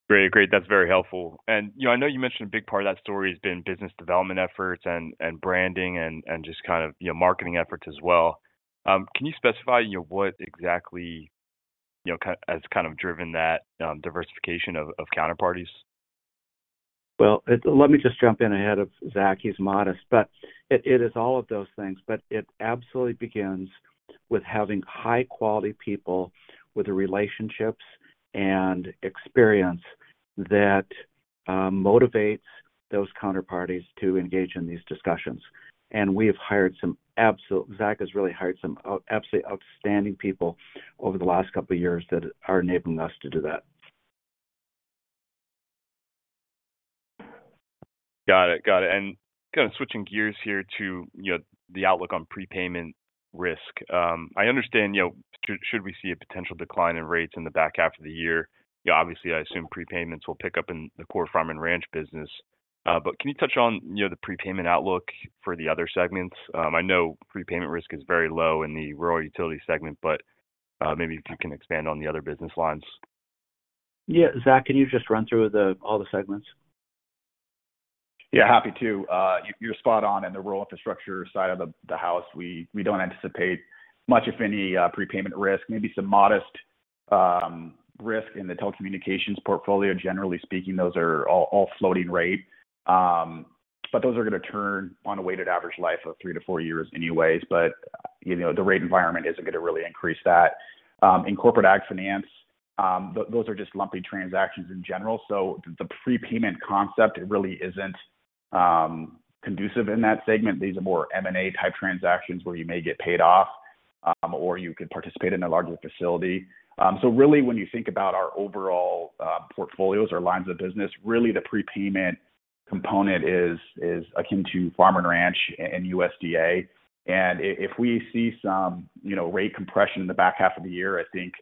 Great. Great. That's very helpful. And I know you mentioned a big part of that story has been business development efforts and branding and just kind of marketing efforts as well. Can you specify what exactly has kind of driven that diversification of counterparties? Well, let me just jump in ahead of Zach. He's modest, but it is all of those things. But it absolutely begins with having high-quality people with relationships and experience that motivates those counterparties to engage in these discussions. And we have hired some absolute Zach has really hired some absolutely outstanding people over the last couple of years that are enabling us to do that. Got it. Got it. Kind of switching gears here to the outlook on prepayment risk. I understand should we see a potential decline in rates in the back half of the year, obviously, I assume prepayments will pick up in the core Farm & Ranch business. Can you touch on the prepayment outlook for the other segments? I know prepayment risk is very low in the rural utility segment, but maybe if you can expand on the other business lines. Yeah. Zach, can you just run through all the segments? Yeah, happy to. You're spot on. In the Rural Infrastructure side of the house, we don't anticipate much, if any, prepayment risk. Maybe some modest risk in the telecommunications portfolio. Generally speaking, those are all floating rate. But those are going to turn on a weighted average life of 3-4 years anyways. But the rate environment isn't going to really increase that. In Corporate AgFinance, those are just lumpy transactions in general. So the prepayment concept, it really isn't conducive in that segment. These are more M&A-type transactions where you may get paid off or you could participate in a larger facility. So really, when you think about our overall portfolios, our lines of business, really the prepayment component is akin to Farm & Ranch and USDA. If we see some rate compression in the back half of the year, I think,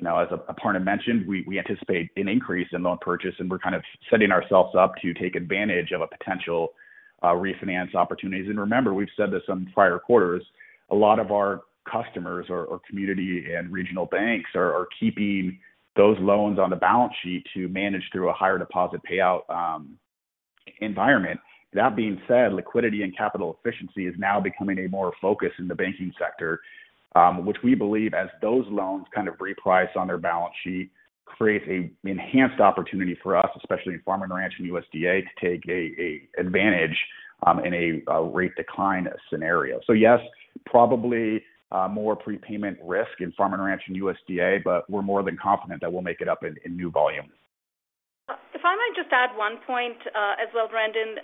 as Aparna mentioned, we anticipate an increase in loan purchase. We're kind of setting ourselves up to take advantage of a potential refinance opportunity. Remember, we've said this in prior quarters, a lot of our customers or community and regional banks are keeping those loans on the balance sheet to manage through a higher deposit payout environment. That being said, liquidity and capital efficiency is now becoming a more focus in the banking sector, which we believe, as those loans kind of reprice on their balance sheet, creates an enhanced opportunity for us, especially in Farm & Ranch and USDA, to take advantage in a rate decline scenario. So yes, probably more prepayment risk in Farm & Ranch and USDA, but we're more than confident that we'll make it up in new volume. If I might just add one point as well, Brendan,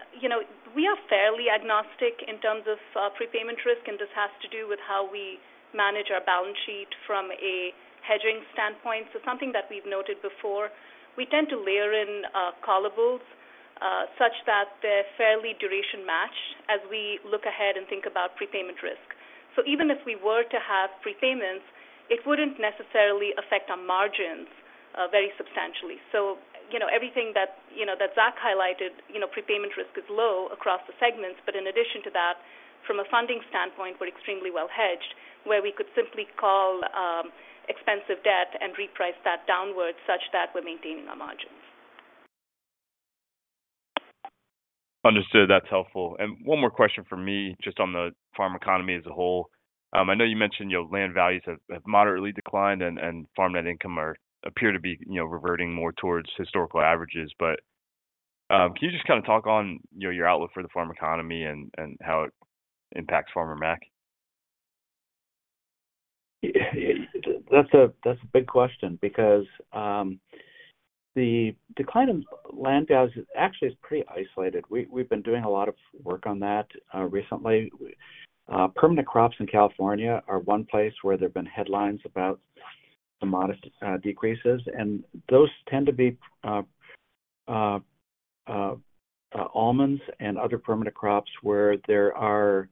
we are fairly agnostic in terms of prepayment risk. This has to do with how we manage our balance sheet from a hedging standpoint. Something that we've noted before, we tend to layer in callables such that they're fairly duration-matched as we look ahead and think about prepayment risk. Even if we were to have prepayments, it wouldn't necessarily affect our margins very substantially. Everything that Zach highlighted, prepayment risk is low across the segments. In addition to that, from a funding standpoint, we're extremely well hedged, where we could simply call expensive debt and reprice that downwards such that we're maintaining our margins. Understood. That's helpful. And one more question for me just on the farm economy as a whole. I know you mentioned land values have moderately declined and farm net income appear to be reverting more towards historical averages. But can you just kind of talk on your outlook for the farm economy and how it impacts Farmer Mac? That's a big question because the decline in land values actually is pretty isolated. We've been doing a lot of work on that recently. Permanent crops in California are one place where there have been headlines about some modest decreases. And those tend to be almonds and other permanent crops where there are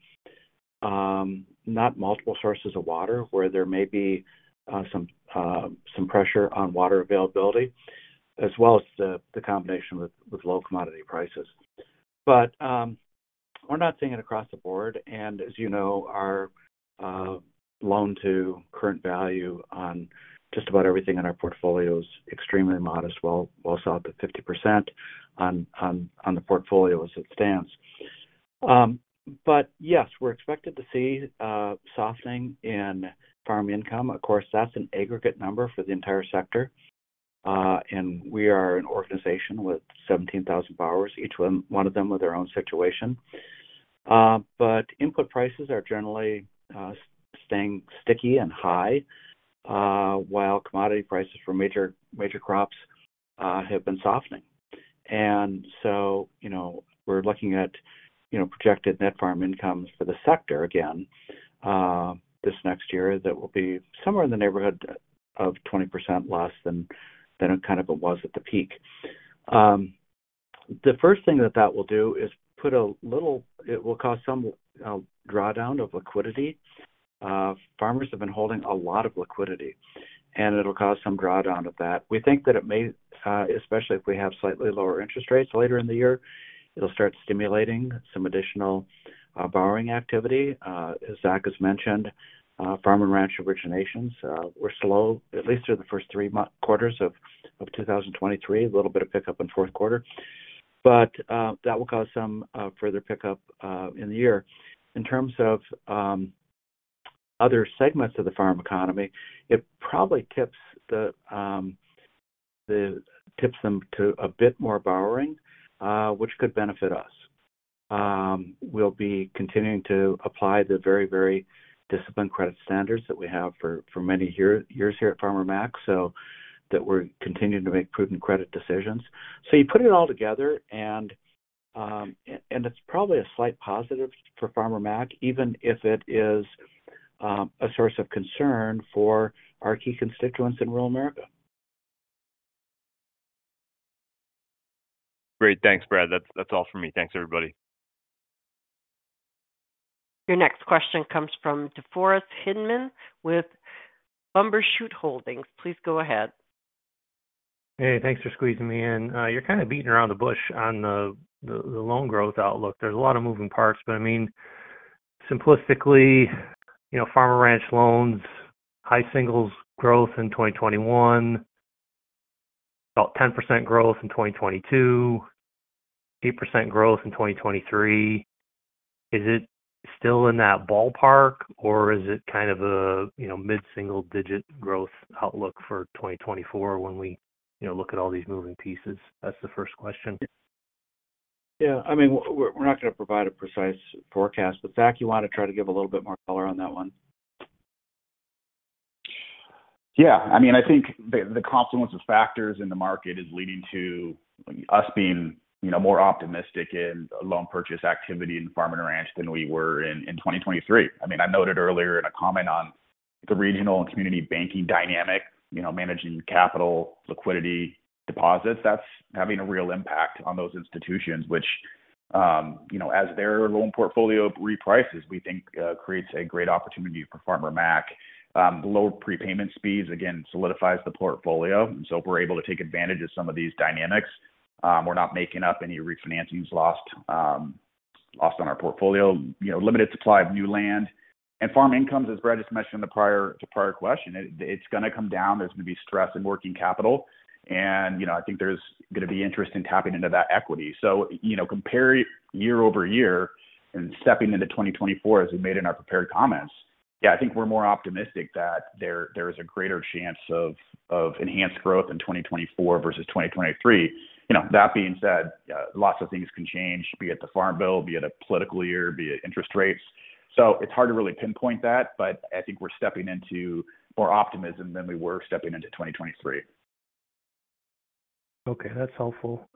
not multiple sources of water, where there may be some pressure on water availability, as well as the combination with low commodity prices. But we're not seeing it across the board. And as you know, our loan-to-current value on just about everything in our portfolio is extremely modest, well south of 50% on the portfolio as it stands. But yes, we're expected to see softening in farm income. Of course, that's an aggregate number for the entire sector. And we are an organization with 17,000 buyers, each one of them with their own situation. But input prices are generally staying sticky and high, while commodity prices for major crops have been softening. So we're looking at projected net farm incomes for the sector, again, this next year that will be somewhere in the neighborhood of 20% less than it kind of was at the peak. The first thing that that will do is put a little it will cause some drawdown of liquidity. Farmers have been holding a lot of liquidity. It'll cause some drawdown of that. We think that it may, especially if we have slightly lower interest rates later in the year, it'll start stimulating some additional borrowing activity. As Zach has mentioned, Farm & Ranch originations, we're slow, at least through the first three quarters of 2023, a little bit of pickup in fourth quarter. But that will cause some further pickup in the year. In terms of other segments of the farm economy, it probably tips them to a bit more borrowing, which could benefit us. We'll be continuing to apply the very, very disciplined credit standards that we have for many years here at Farmer Mac so that we're continuing to make prudent credit decisions. So you put it all together, and it's probably a slight positive for Farmer Mac, even if it is a source of concern for our key constituents in rural America. Great. Thanks, Brad. That's all from me. Thanks, everybody. Your next question comes from DeForest Hinman with Bumbershoot Holdings. Please go ahead. Hey, thanks for squeezing me in. You're kind of beating around the bush on the loan growth outlook. There's a lot of moving parts. But I mean, simplistically, Farm & Ranch loans, high singles growth in 2021, about 10% growth in 2022, 8% growth in 2023. Is it still in that ballpark, or is it kind of a mid-single-digit growth outlook for 2024 when we look at all these moving pieces? That's the first question. Yeah. I mean, we're not going to provide a precise forecast. But Zach, you want to try to give a little bit more color on that one? Yeah. I mean, I think the confluence of factors in the market is leading to us being more optimistic in loan purchase activity in Farm & Ranch than we were in 2023. I mean, I noted earlier in a comment on the regional and community banking dynamic, managing capital, liquidity, deposits, that's having a real impact on those institutions, which, as their loan portfolio reprices, we think creates a great opportunity for Farmer Mac. Lower prepayment speeds, again, solidifies the portfolio. And so if we're able to take advantage of some of these dynamics, we're not making up any refinancings lost on our portfolio, limited supply of new land. And farm incomes, as Brad just mentioned in the prior question, it's going to come down. There's going to be stress in working capital. And I think there's going to be interest in tapping into that equity. So comparing year-over-year and stepping into 2024, as we made in our prepared comments, yeah, I think we're more optimistic that there is a greater chance of enhanced growth in 2024 versus 2023. That being said, lots of things can change, be it the Farm Bill, be it a political year, be it interest rates. So it's hard to really pinpoint that. But I think we're stepping into more optimism than we were stepping into 2023. Okay. That's helpful.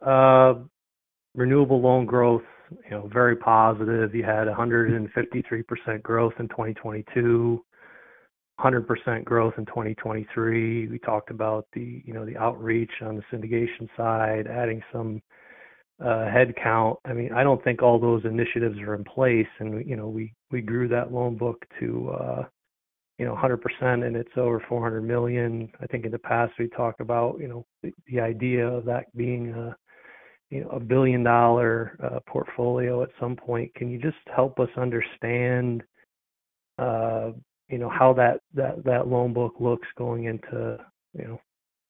Renewable loan growth, very positive. You had 153% growth in 2022, 100% growth in 2023. We talked about the outreach on the syndication side, adding some headcount. I mean, I don't think all those initiatives are in place. And we grew that loan book to 100%, and it's over $400 million. I think in the past, we talked about the idea of that being a billion-dollar portfolio at some point. Can you just help us understand how that loan book looks going into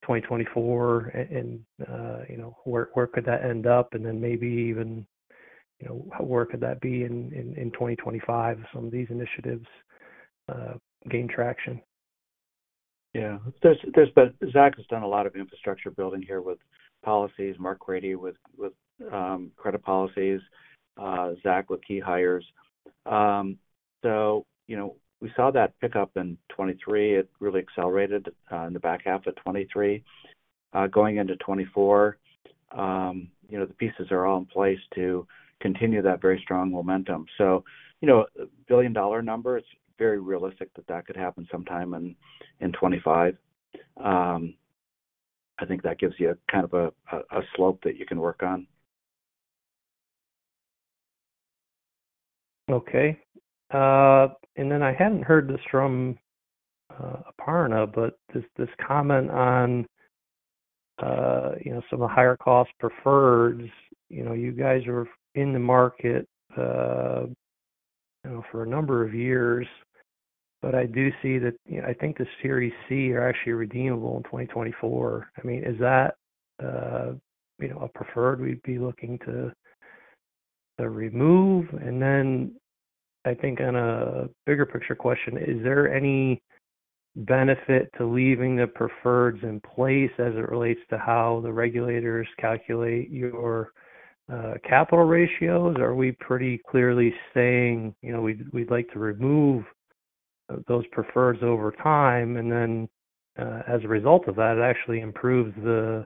2024, and where could that end up? And then maybe even where could that be in 2025 if some of these initiatives gain traction? Yeah. But Zach has done a lot of infrastructure building here with policies, Mark Crady with credit policies, Zach with key hires. So we saw that pickup in 2023. It really accelerated in the back half of 2023. Going into 2024, the pieces are all in place to continue that very strong momentum. So billion-dollar number, it's very realistic that that could happen sometime in 2025. I think that gives you kind of a slope that you can work on. Okay. And then I hadn't heard this from Aparna, but this comment on some of the higher-cost preferreds, you guys were in the market for a number of years. But I do see that I think the Series C are actually redeemable in 2024. I mean, is that a preferred we'd be looking to remove? And then I think on a bigger picture question, is there any benefit to leaving the preferreds in place as it relates to how the regulators calculate your capital ratios? Are we pretty clearly saying we'd like to remove those preferreds over time? And then as a result of that, it actually improves the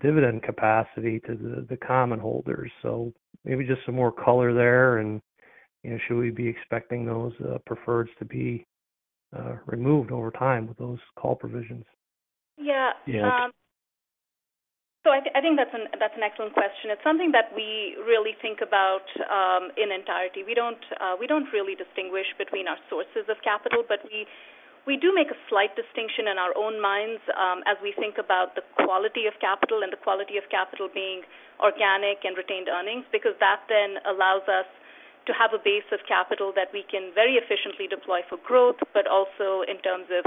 dividend capacity to the commonholders. So maybe just some more color there. And should we be expecting those preferreds to be removed over time with those call provisions? Yeah. So I think that's an excellent question. It's something that we really think about in entirety. We don't really distinguish between our sources of capital. But we do make a slight distinction in our own minds as we think about the quality of capital and the quality of capital being organic and retained earnings because that then allows us to have a base of capital that we can very efficiently deploy for growth, but also in terms of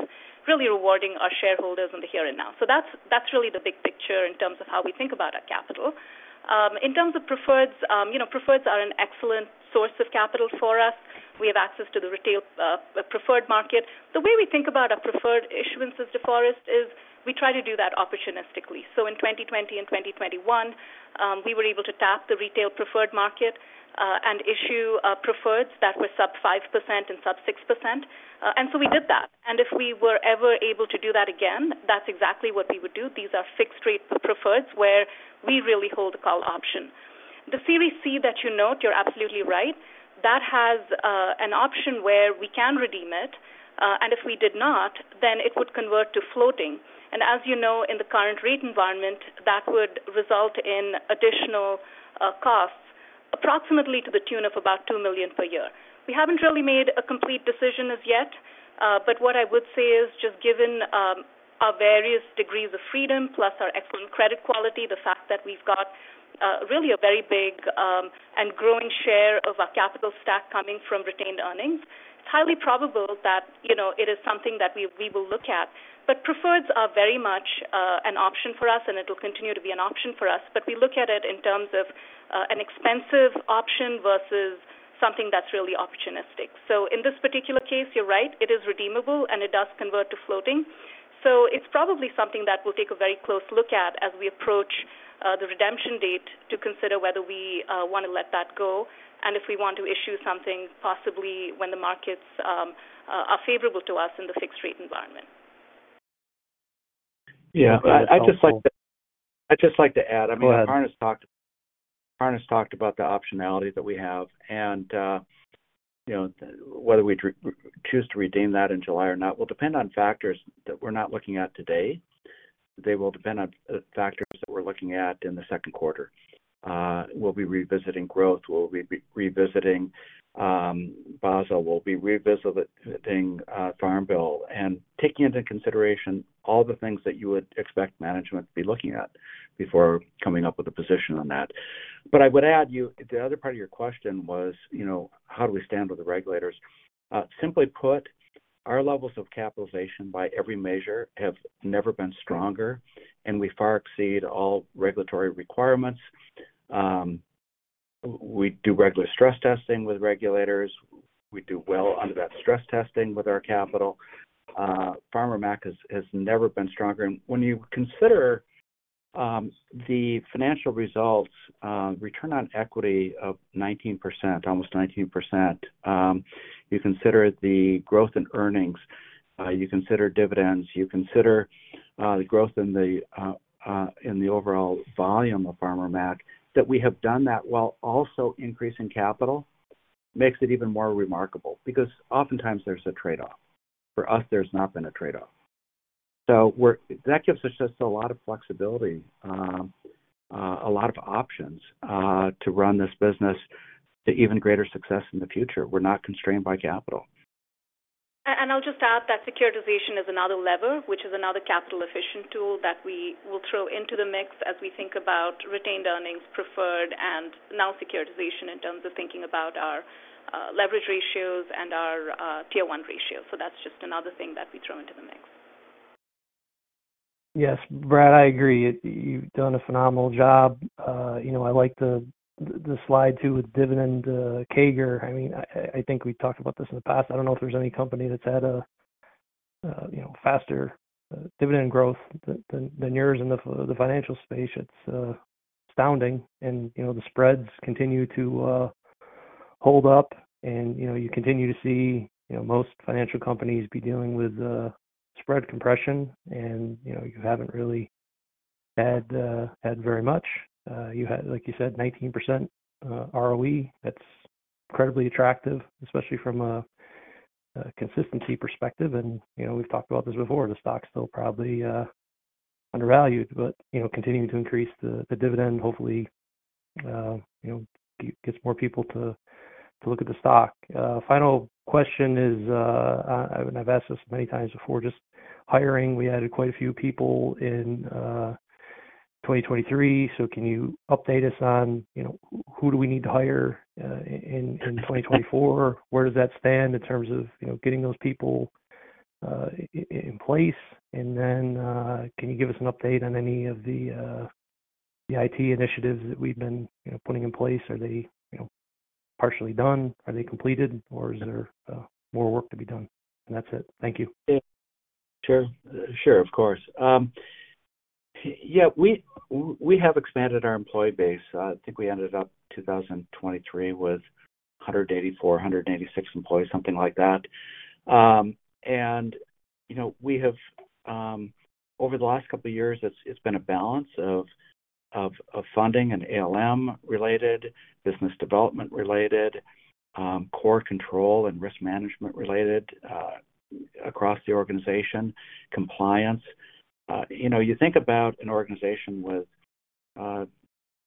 really rewarding our shareholders in the here and now. So that's really the big picture in terms of how we think about our capital. In terms of preferreds, preferreds are an excellent source of capital for us. We have access to the preferred market. The way we think about our preferred issuances, DeForest, is we try to do that opportunistically. So in 2020 and 2021, we were able to tap the retail preferred market and issue preferreds that were sub-5% and sub-6%. And so we did that. And if we were ever able to do that again, that's exactly what we would do. These are fixed-rate preferreds where we really hold the call option. The Series C that you note, you're absolutely right, that has an option where we can redeem it. And if we did not, then it would convert to floating. And as you know, in the current rate environment, that would result in additional costs approximately to the tune of about $2 million per year. We haven't really made a complete decision as yet. But what I would say is, just given our various degrees of freedom plus our excellent credit quality, the fact that we've got really a very big and growing share of our capital stack coming from retained earnings, it's highly probable that it is something that we will look at. But preferreds are very much an option for us, and it'll continue to be an option for us. But we look at it in terms of an expensive option versus something that's really opportunistic. So in this particular case, you're right. It is redeemable, and it does convert to floating. So it's probably something that we'll take a very close look at as we approach the redemption date to consider whether we want to let that go and if we want to issue something possibly when the markets are favorable to us in the fixed-rate environment. Yeah. I'd just like to add I mean, Aparna has talked about the optionality that we have. And whether we choose to redeem that in July or not will depend on factors that we're not looking at today. They will depend on factors that we're looking at in the second quarter. Will we be revisiting growth? Will we be revisiting Basel? Will we be revisiting Farm Bill? And taking into consideration all the things that you would expect management to be looking at before coming up with a position on that. But I would add the other part of your question was, how do we stand with the regulators? Simply put, our levels of capitalization by every measure have never been stronger. And we far exceed all regulatory requirements. We do regular stress testing with regulators. We do well under that stress testing with our capital. Mac has never been stronger. When you consider the financial results, return on equity of 19%, almost 19%, you consider the growth in earnings, you consider dividends, you consider the growth in the overall volume of Farmer Mac, that we have done that while also increasing capital makes it even more remarkable because oftentimes, there's a trade-off. For us, there's not been a trade-off. So that gives us just a lot of flexibility, a lot of options to run this business to even greater success in the future. We're not constrained by capital. I'll just add that securitization is another lever, which is another capital-efficient tool that we will throw into the mix as we think about retained earnings, preferred, and now securitization in terms of thinking about our leverage ratios and our Tier 1 ratio. That's just another thing that we throw into the mix. Yes. Brad, I agree. You've done a phenomenal job. I like the slide, too, with dividend CAGR. I mean, I think we've talked about this in the past. I don't know if there's any company that's had faster dividend growth than yours in the financial space. It's astounding. And the spreads continue to hold up. And you continue to see most financial companies be dealing with spread compression. And you haven't really had very much. You had, like you said, 19% ROE. That's incredibly attractive, especially from a consistency perspective. And we've talked about this before. The stock's still probably undervalued, but continuing to increase the dividend, hopefully, gets more people to look at the stock. Final question is, and I've asked this many times before, just hiring. We added quite a few people in 2023. So can you update us on who do we need to hire in 2024? Where does that stand in terms of getting those people in place? And then can you give us an update on any of the IT initiatives that we've been putting in place? Are they partially done? Are they completed, or is there more work to be done? And that's it. Thank you. Yeah. Sure. Sure. Of course. Yeah. We have expanded our employee base. I think we ended up 2023 with 184, 186 employees, something like that. And over the last couple of years, it's been a balance of funding and ALM-related, business development-related, core control and risk management-related across the organization, compliance. You think about an organization with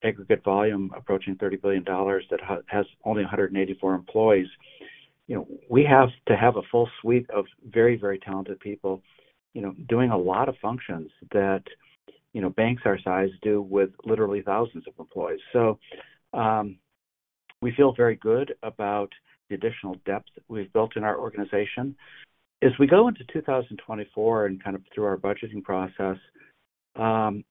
aggregate volume approaching $30 billion that has only 184 employees. We have to have a full suite of very, very talented people doing a lot of functions that banks our size do with literally thousands of employees. So we feel very good about the additional depth we've built in our organization. As we go into 2024 and kind of through our budgeting process,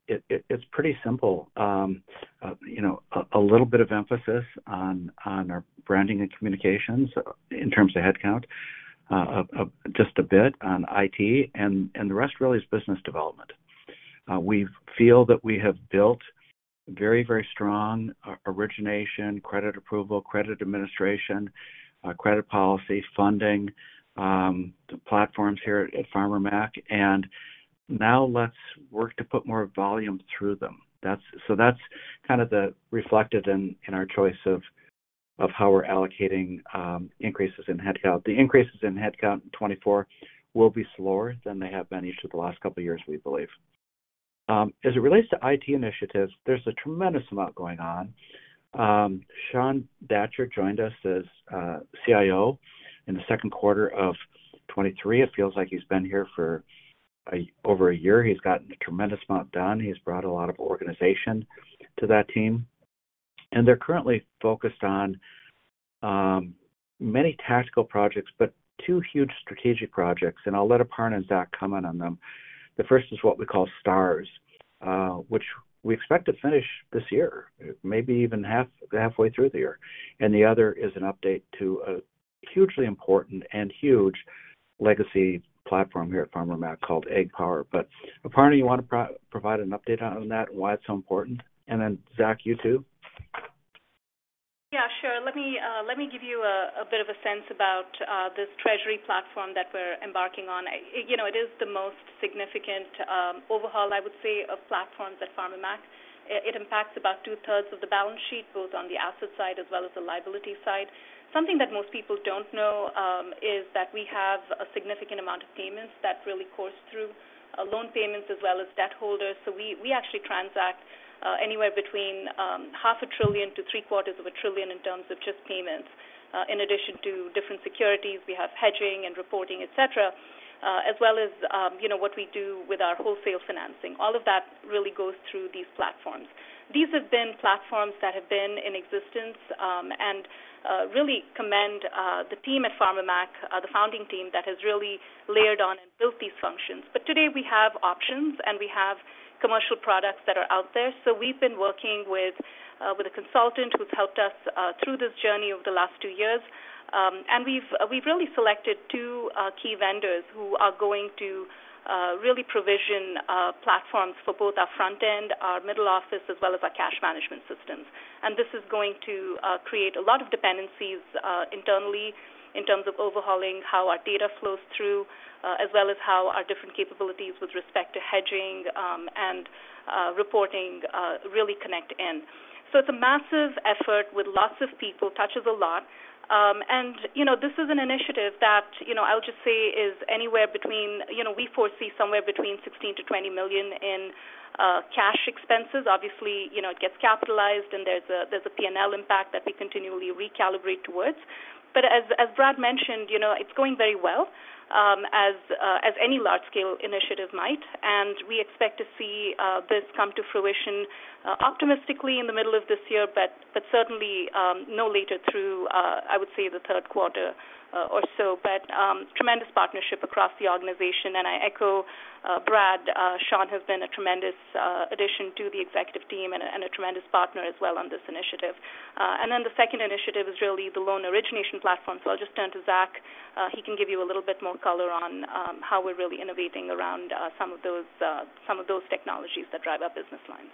it's pretty simple. A little bit of emphasis on our branding and communications in terms of headcount, just a bit on IT. And the rest really is business development. We feel that we have built very, very strong origination, credit approval, credit administration, credit policy, funding, the platforms here at Farmer Mac. And now let's work to put more volume through them. So that's kind of reflected in our choice of how we're allocating increases in headcount. The increases in headcount in 2024 will be slower than they have been each of the last couple of years, we believe. As it relates to IT initiatives, there's a tremendous amount going on. Shaun Thatcher joined us as CIO in the second quarter of 2023. It feels like he's been here for over a year. He's gotten a tremendous amount done. He's brought a lot of organization to that team. And they're currently focused on many tactical projects, but two huge strategic projects. And I'll let Aparna and Zach comment on them. The first is what we call STARS, which we expect to finish this year, maybe even halfway through the year. The other is an update to a hugely important and huge legacy platform here at Farmer Mac called AgPower. But Aparna, you want to provide an update on that and why it's so important? And then, Zach, you too. Yeah. Sure. Let me give you a bit of a sense about this treasury platform that we're embarking on. It is the most significant overhaul, I would say, of platforms at Farmer Mac. It impacts about two-thirds of the balance sheet, both on the asset side as well as the liability side. Something that most people don't know is that we have a significant amount of payments that really course through loan payments as well as debt holders. So we actually transact anywhere between $500 billion-$750 billion in terms of just payments. In addition to different securities, we have hedging and reporting, etc., as well as what we do with our wholesale financing. All of that really goes through these platforms. These have been platforms that have been in existence and really commend the team at Farmer Mac, the founding team that has really layered on and built these functions. But today, we have options, and we have commercial products that are out there. So we've been working with a consultant who's helped us through this journey over the last two years. And we've really selected two key vendors who are going to really provision platforms for both our front end, our middle office, as well as our cash management systems. And this is going to create a lot of dependencies internally in terms of overhauling how our data flows through, as well as how our different capabilities with respect to hedging and reporting really connect in. So it's a massive effort with lots of people. Touches a lot. This is an initiative that, I'll just say, is anywhere between we foresee somewhere between $16 million-$20 million in cash expenses. Obviously, it gets capitalized, and there's a P&L impact that we continually recalibrate towards. But as Brad mentioned, it's going very well, as any large-scale initiative might. And we expect to see this come to fruition optimistically in the middle of this year, but certainly no later through, I would say, the third quarter or so. But tremendous partnership across the organization. And I echo Brad. Shaun has been a tremendous addition to the executive team and a tremendous partner as well on this initiative. And then the second initiative is really the loan origination platform. So I'll just turn to Zach. He can give you a little bit more color on how we're really innovating around some of those technologies that drive our business lines.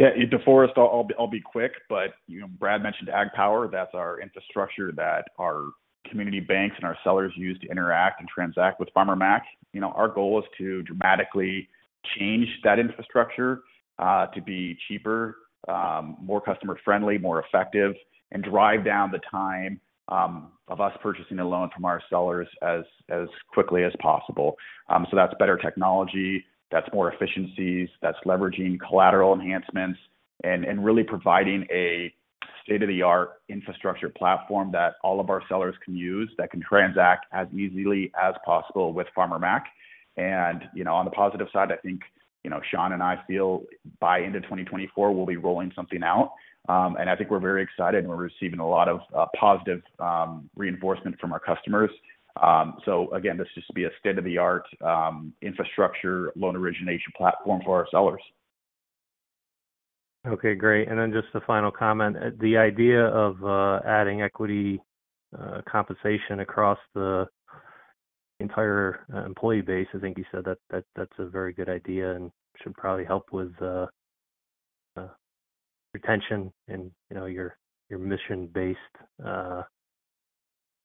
Yeah. DeForest, I'll be quick. But Brad mentioned AgPower. That's our infrastructure that our community banks and our sellers use to interact and transact with Farmer Mac. Our goal is to dramatically change that infrastructure to be cheaper, more customer-friendly, more effective, and drive down the time of us purchasing a loan from our sellers as quickly as possible. So that's better technology. That's more efficiencies. That's leveraging collateral enhancements and really providing a state-of-the-art infrastructure platform that all of our sellers can use that can transact as easily as possible with Farmer Mac. And on the positive side, I think Shaun and I feel by end of 2024, we'll be rolling something out. And I think we're very excited. And we're receiving a lot of positive reinforcement from our customers. So again, this should just be a state-of-the-art infrastructure loan origination platform for our sellers. Okay. Great. And then just the final comment. The idea of adding equity compensation across the entire employee base, I think you said that that's a very good idea and should probably help with retention and your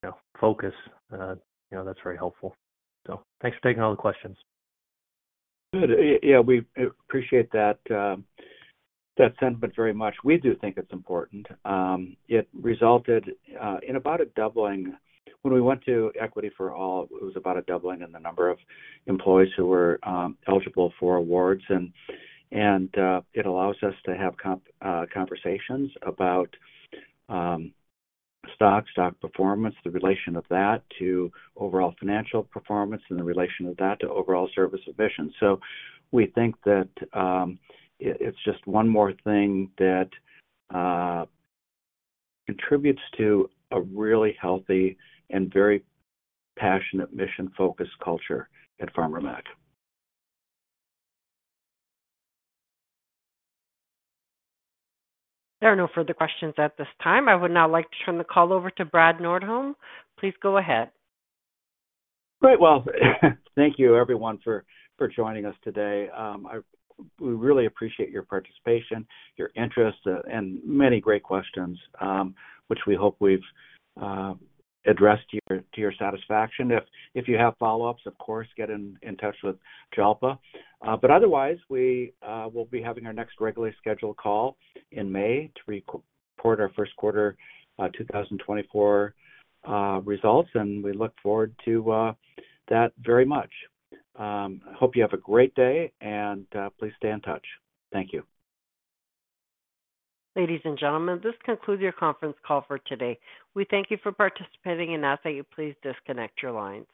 mission-based focus. That's very helpful. So thanks for taking all the questions. Good. Yeah. We appreciate that sentiment very much. We do think it's important. It resulted in about a doubling when we went to Equity for All, it was about a doubling in the number of employees who were eligible for awards. And it allows us to have conversations about stock, stock performance, the relation of that to overall financial performance, and the relation of that to overall service ambition. So we think that it's just one more thing that contributes to a really healthy and very passionate, mission-focused culture at Farmer Mac. There are no further questions at this time. I would now like to turn the call over to Brad Nordholm. Please go ahead. Great. Well, thank you, everyone, for joining us today. We really appreciate your participation, your interest, and many great questions, which we hope we've addressed to your satisfaction. If you have follow-ups, of course, get in touch with Jalpa. But otherwise, we will be having our next regularly scheduled call in May to report our first quarter 2024 results. We look forward to that very much. I hope you have a great day. Please stay in touch. Thank you. Ladies and gentlemen, this concludes your conference call for today. We thank you for participating. And as I say, please disconnect your lines.